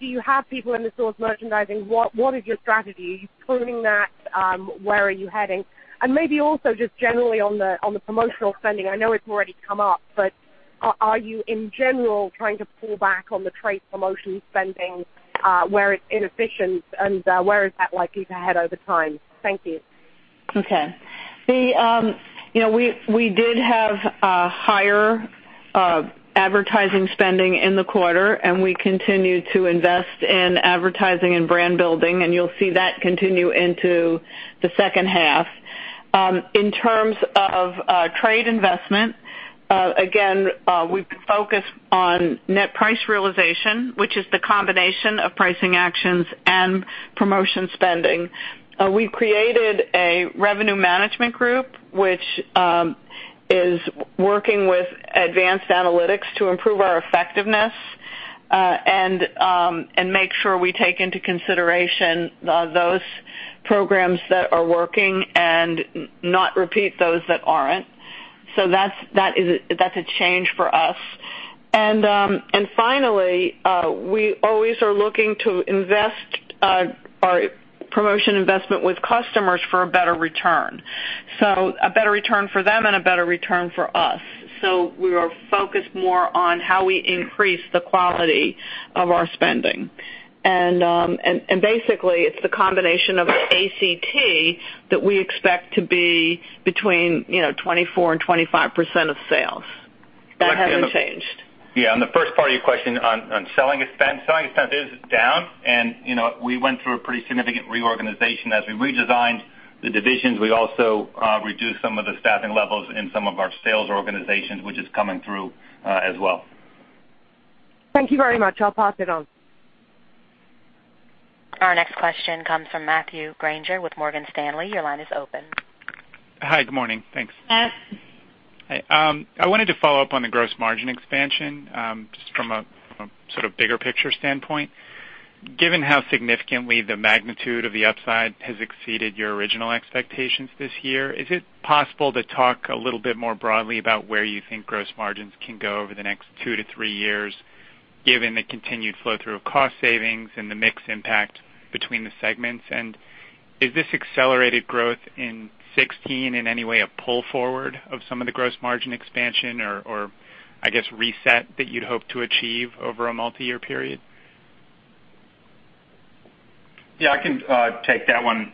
Do you have people in the source merchandising? What is your strategy? Are you pruning that? Where are you heading? Maybe also just generally on the promotional spending, I know it's already come up, but are you in general trying to pull back on the trade promotion spending where it's inefficient, and where is that likely to head over time? Thank you. Okay. We did have a higher advertising spending in the quarter. We continue to invest in advertising and brand building. You'll see that continue into the second half. In terms of trade investment, again, we focus on net price realization, which is the combination of pricing actions and promotion spending. We've created a revenue management group, which is working with advanced analytics to improve our effectiveness, and make sure we take into consideration those programs that are working and not repeat those that aren't. That's a change for us. Finally, we always are looking to invest our promotion investment with customers for a better return. A better return for them and a better return for us. We are focused more on how we increase the quality of our spending. Basically, it's the combination of A&C that we expect to be between 24%-25% of sales. That hasn't changed. Yeah, on the first part of your question on selling expense. Selling expense is down. We went through a pretty significant reorganization. As we redesigned the divisions, we also reduced some of the staffing levels in some of our sales organizations, which is coming through as well. Thank you very much. I'll pass it on. Our next question comes from Matthew Grainger with Morgan Stanley. Your line is open. Hi. Good morning. Thanks. Matt. Hi. I wanted to follow up on the gross margin expansion, just from a sort of bigger picture standpoint. Given how significantly the magnitude of the upside has exceeded your original expectations this year, is it possible to talk a little bit more broadly about where you think gross margins can go over the next two to three years, given the continued flow-through of cost savings and the mix impact between the segments? Is this accelerated growth in 2016 in any way a pull forward of some of the gross margin expansion or, I guess, reset that you'd hope to achieve over a multi-year period? Yeah, I can take that one.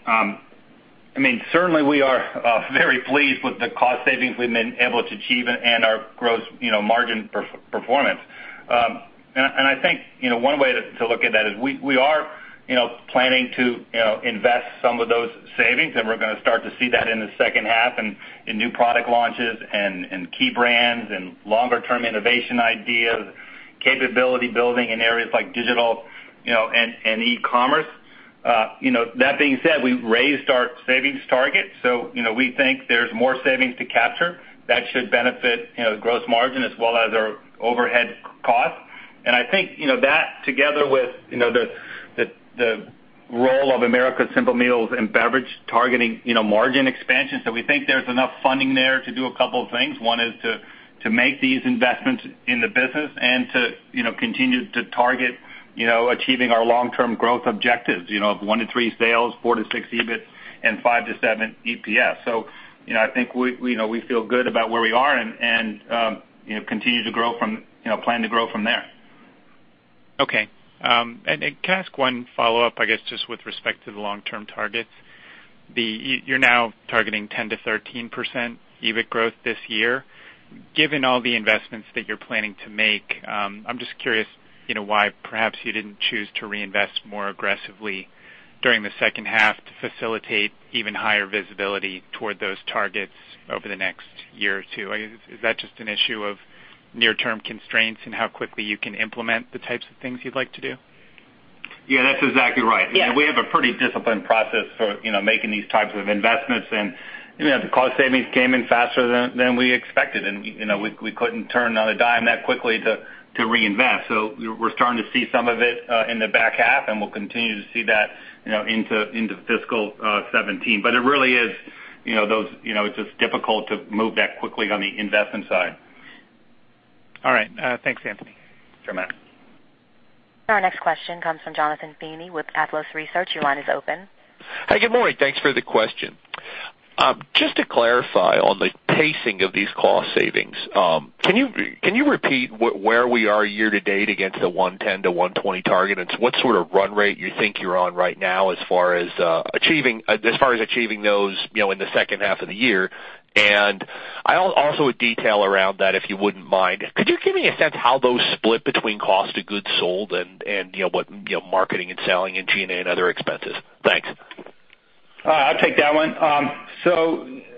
Certainly, we are very pleased with the cost savings we've been able to achieve and our gross margin performance. I think one way to look at that is we are planning to invest some of those savings, and we're going to start to see that in the second half in new product launches and in key brands and longer-term innovation ideas, capability building in areas like digital and e-commerce. That being said, we've raised our savings target. We think there's more savings to capture that should benefit gross margin as well as our overhead costs. I think that together with the role of Americas Simple Meals & Beverage targeting margin expansion. We think there's enough funding there to do a couple of things. One is to make these investments in the business and to continue to target achieving our long-term growth objectives of 1%-3% sales, 4%-6% EBIT, and 5%-7% EPS. I think we feel good about where we are and plan to grow from there. Okay. Can I ask one follow-up, I guess, just with respect to the long-term targets? You're now targeting 10%-13% EBIT growth this year. Given all the investments that you're planning to make, I'm just curious why perhaps you didn't choose to reinvest more aggressively during the second half to facilitate even higher visibility toward those targets over the next year or two. Is that just an issue of near-term constraints and how quickly you can implement the types of things you'd like to do? Yeah, that's exactly right. Yeah. We have a pretty disciplined process for making these types of investments, the cost savings came in faster than we expected, we couldn't turn on a dime that quickly to reinvest. We're starting to see some of it in the back half, we'll continue to see that into fiscal 2017. It really is just difficult to move that quickly on the investment side. All right. Thanks, Anthony. Sure, Matt. Our next question comes from Jonathan Feeney with Athlos Research. Your line is open. Hi, good morning. Thanks for the question. Just to clarify on the pacing of these cost savings, can you repeat where we are year-to-date against the $110-$120 target, and what sort of run rate you think you're on right now as far as achieving those in the second half of the year, and also a detail around that, if you wouldn't mind. Could you give me a sense how those split between cost of goods sold and marketing and selling and G&A and other expenses? Thanks. I'll take that one.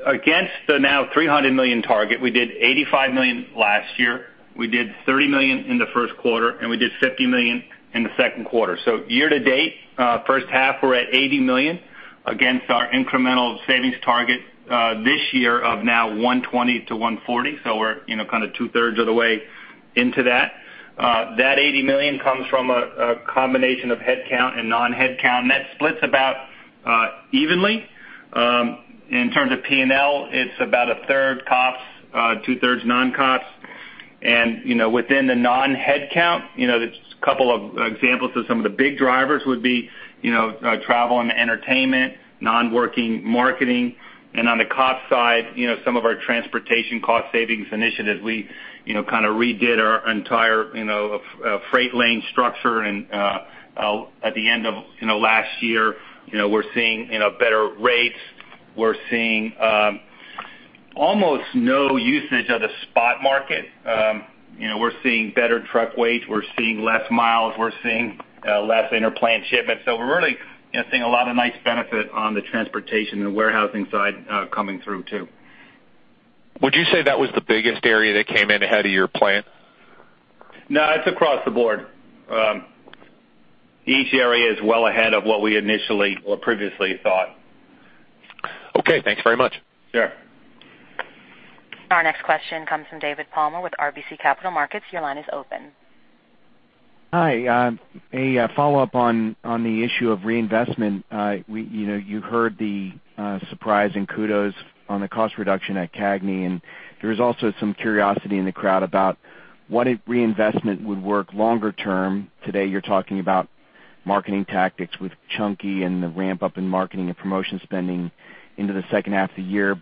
Against the now $300 million target, we did $85 million last year. We did $30 million in the first quarter, and we did $50 million in the second quarter. Year to date, first half we're at $80 million against our incremental savings target this year of now $120 million-$140 million. We're two-thirds of the way into that. That $80 million comes from a combination of headcount and non-headcount, and that splits about evenly. In terms of P&L, it's about a third COPS, two-thirds non-COPS. Within the non-headcount, a couple of examples of some of the big drivers would be travel and entertainment, non-working marketing. On the COPS side, some of our transportation cost savings initiatives, we redid our entire freight lane structure at the end of last year. We're seeing better rates. We're seeing almost no usage of the spot market. We're seeing better truck weights. We're seeing less miles. We're seeing less inter-plant shipments. We're really seeing a lot of nice benefit on the transportation and warehousing side coming through, too. Would you say that was the biggest area that came in ahead of your plan? No, it's across the board. Each area is well ahead of what we initially or previously thought. Okay, thanks very much. Sure. Our next question comes from David Palmer with RBC Capital Markets. Your line is open. Hi. A follow-up on the issue of reinvestment. You heard the surprise and kudos on the cost reduction at CAGNY, and there was also some curiosity in the crowd about what reinvestment would work longer term. Today, you're talking about marketing tactics with Chunky and the ramp-up in marketing and promotion spending into the second half of the year.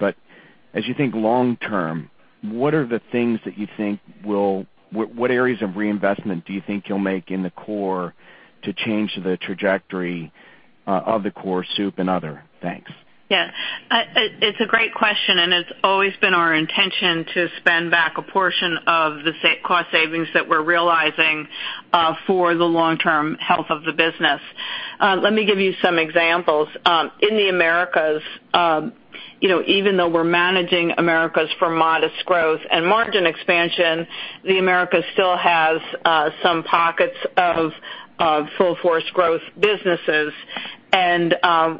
As you think long term, what areas of reinvestment do you think you'll make in the core to change the trajectory of the core soup and other? Thanks. Yeah. It's a great question. It's always been our intention to spend back a portion of the cost savings that we're realizing for the long-term health of the business. Let me give you some examples. In the Americas, even though we're managing Americas for modest growth and margin expansion, the Americas still has some pockets of full-force growth businesses.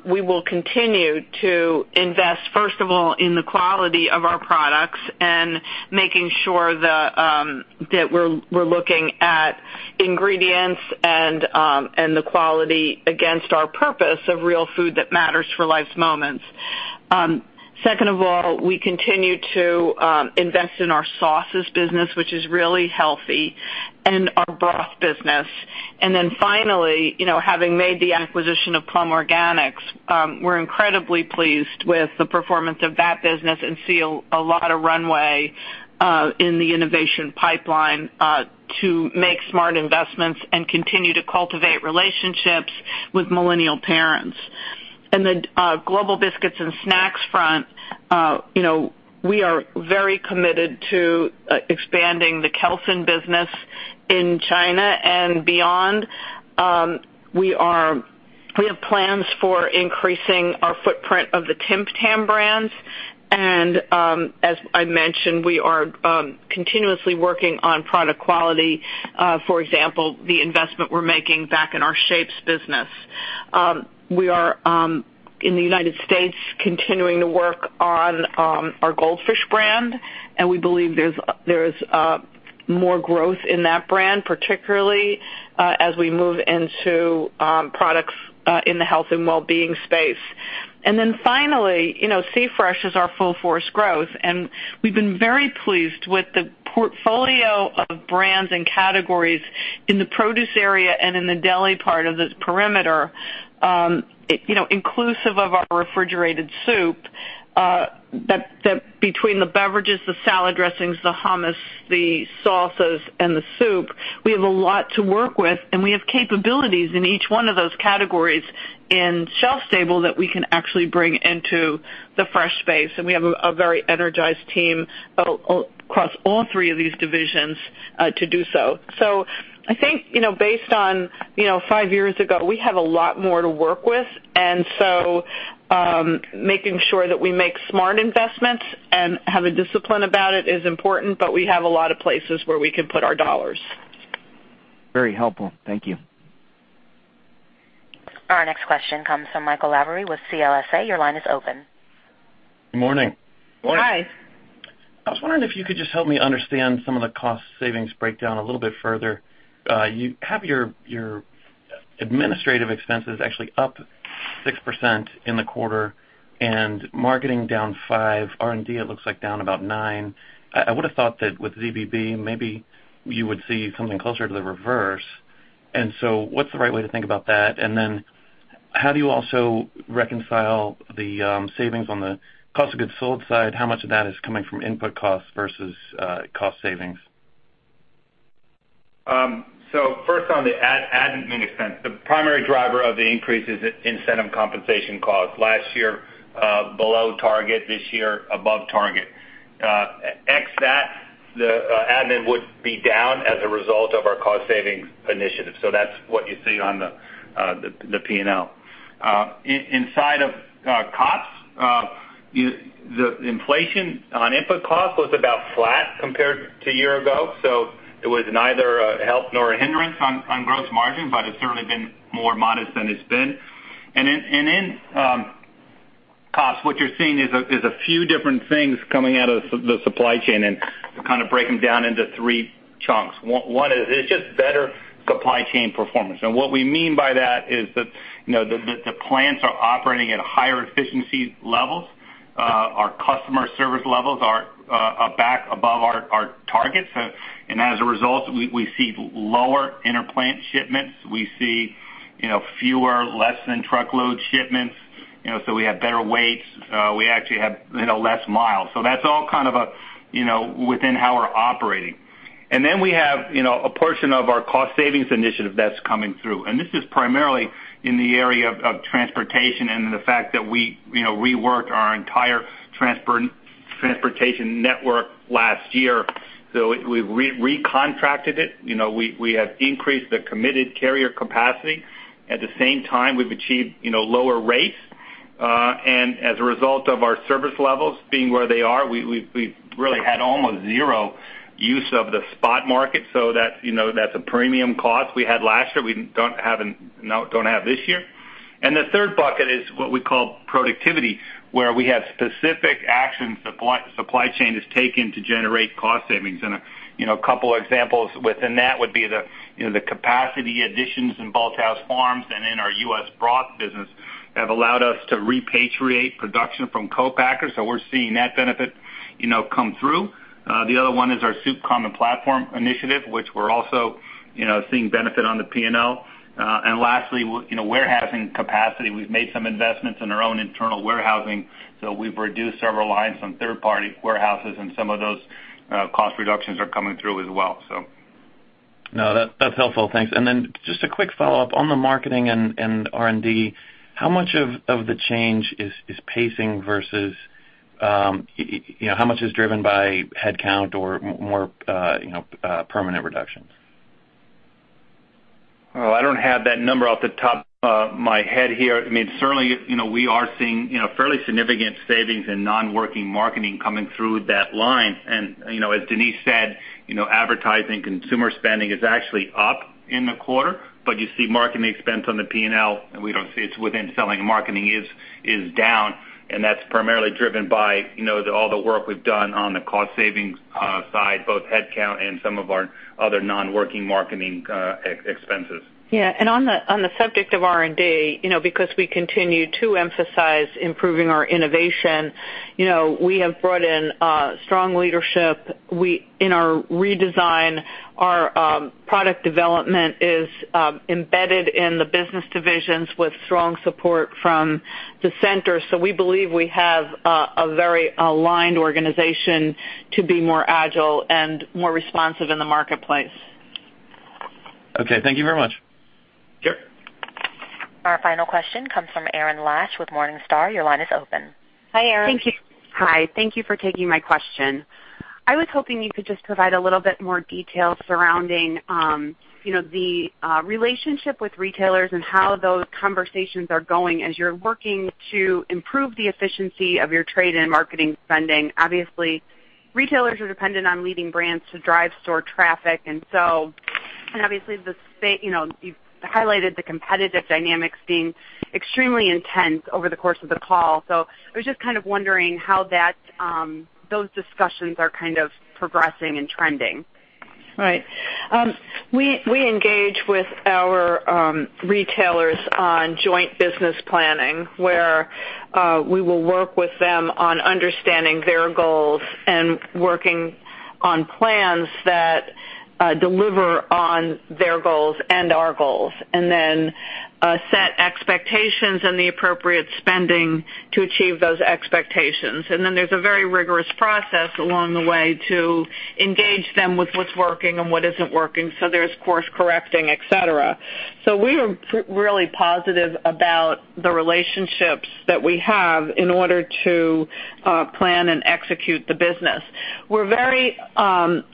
We will continue to invest, first of all, in the quality of our products and making sure that we're looking at ingredients and the quality against our purpose of real food that matters for life's moments. Second of all, we continue to invest in our sauces business, which is really healthy, and our broth business. Finally, having made the acquisition of Plum Organics, we're incredibly pleased with the performance of that business and see a lot of runway in the innovation pipeline to make smart investments and continue to cultivate relationships with millennial parents. In the Global Biscuits and Snacks front, we are very committed to expanding the Kelsen business in China and beyond. We have plans for increasing our footprint of the Tim Tam brands. As I mentioned, we are continuously working on product quality. For example, the investment we're making back in our Shapes business. We are, in the U.S., continuing to work on our Goldfish brand, and we believe there's more growth in that brand, particularly as we move into products in the health and wellbeing space. Finally, C-Fresh is our full force growth, and we've been very pleased with the portfolio of brands and categories in the produce area and in the deli part of this perimeter, inclusive of our refrigerated soup, that between the beverages, the salad dressings, the hummus, the sauces, and the soup, we have a lot to work with, and we have capabilities in each one of those categories in shelf stable that we can actually bring into the fresh space. We have a very energized team across all three of these divisions to do so. I think based on five years ago, we have a lot more to work with, making sure that we make smart investments and have a discipline about it is important, but we have a lot of places where we can put our dollars. Very helpful. Thank you. Our next question comes from Michael Lavery with CLSA. Your line is open. Good morning. Hi. I was wondering if you could just help me understand some of the cost savings breakdown a little bit further. You have your administrative expenses actually up 6% in the quarter and marketing down 5%, R&D, it looks like down about 9%. I would've thought that with ZBB, maybe you would see something closer to the reverse. What's the right way to think about that? Then how do you also reconcile the savings on the cost of goods sold side? How much of that is coming from input costs versus cost savings? First, on the admin expense, the primary driver of the increase is incentive compensation costs. Last year, below target. This year, above target. Ex that, the admin would be down as a result of our cost-savings initiative. That's what you see on the P&L. Inside of COPS, the inflation on input costs was about flat compared to a year ago. It was neither a help nor a hindrance on gross margin, but it's certainly been more modest than it's been. In COPS, what you're seeing is a few different things coming out of the supply chain, and to kind of break them down into three chunks. One is it's just better supply chain performance. What we mean by that is that the plants are operating at higher efficiency levels. Our customer service levels are back above our targets, as a result, we see lower inter-plant shipments. We see fewer less-than-truckload shipments, so we have better weights. We actually have less miles. That's all kind of within how we're operating. We have a portion of our cost savings initiative that's coming through, and this is primarily in the area of transportation and the fact that we reworked our entire transportation network last year. We recontracted it. We have increased the committed carrier capacity. At the same time, we've achieved lower rates. As a result of our service levels being where they are, we've really had almost zero use of the spot market, so that's a premium cost we had last year, we don't have this year. The third bucket is what we call productivity, where we have specific actions supply chain has taken to generate cost savings. A couple of examples within that would be the capacity additions in Bolthouse Farms and in our U.S. broth business have allowed us to repatriate production from co-packers. We're seeing that benefit come through. The other one is our soup common platform initiative, which we're also seeing benefit on the P&L. Lastly, warehousing capacity. We've made some investments in our own internal warehousing, so we've reduced several lines from third-party warehouses, and some of those cost reductions are coming through as well. No, that's helpful. Thanks. Just a quick follow-up, on the marketing and R&D, how much of the change is pacing versus how much is driven by headcount or more permanent reductions? Well, I don't have that number off the top of my head here. Certainly, we are seeing fairly significant savings in non-working marketing coming through that line. As Denise said, advertising, consumer spending is actually up in the quarter. You see marketing expense on the P&L, and we don't see it's within selling and marketing is down, and that's primarily driven by all the work we've done on the cost savings side, both headcount and some of our other non-working marketing expenses. Yeah. On the subject of R&D, because we continue to emphasize improving our innovation, we have brought in strong leadership. In our redesign, our product development is embedded in the business divisions with strong support from the center. We believe we have a very aligned organization to be more agile and more responsive in the marketplace. Okay. Thank you very much. Sure. Our final question comes from Erin Lash with Morningstar. Your line is open. Hi, Erin. Thank you. Hi. Thank you for taking my question. I was hoping you could just provide a little bit more detail surrounding the relationship with retailers and how those conversations are going as you're working to improve the efficiency of your trade and marketing spending. Obviously, retailers are dependent on leading brands to drive store traffic, and obviously, you've highlighted the competitive dynamics being extremely intense over the course of the call. I was just kind of wondering how those discussions are kind of progressing and trending. Right. We engage with our retailers on joint business planning, where we will work with them on understanding their goals and working on plans that deliver on their goals and our goals, then set expectations and the appropriate spending to achieve those expectations. Then there's a very rigorous process along the way to engage them with what's working and what isn't working. There's course correcting, et cetera. We are really positive about the relationships that we have in order to plan and execute the business. We're very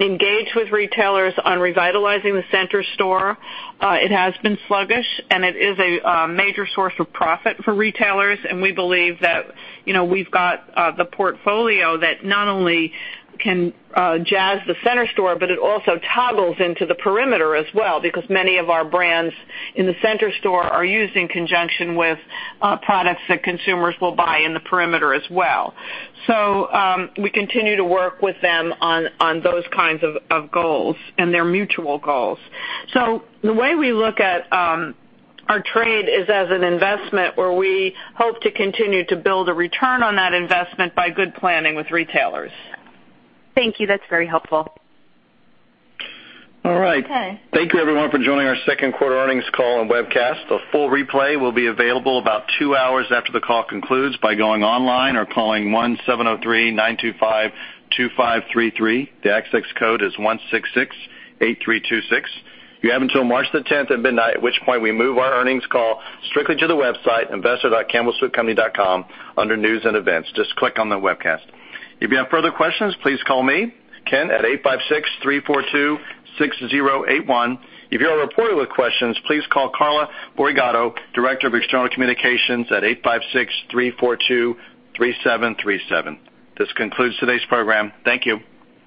engaged with retailers on revitalizing the center store. It has been sluggish. It is a major source of profit for retailers. We believe that we've got the portfolio that not only can jazz the center store, but it also toggles into the perimeter as well, because many of our brands in the center store are used in conjunction with products that consumers will buy in the perimeter as well. We continue to work with them on those kinds of goals, and they're mutual goals. The way we look at our trade is as an investment where we hope to continue to build a return on that investment by good planning with retailers. Thank you. That's very helpful. All right. Thank you, everyone, for joining our second quarter earnings call and webcast. A full replay will be available about two hours after the call concludes by going online or calling 1-703-925-2533. The access code is 1668326. You have until March the 10th at midnight, at which point we move our earnings call strictly to the website, investor.campbellsoupcompany.com, under News and Events. Just click on the webcast. If you have further questions, please call me, Ken, at 856-342-6081. If you're a reporter with questions, please call Carla Burigatto, Director of External Communications, at 856-342-3737. This concludes today's program. Thank you.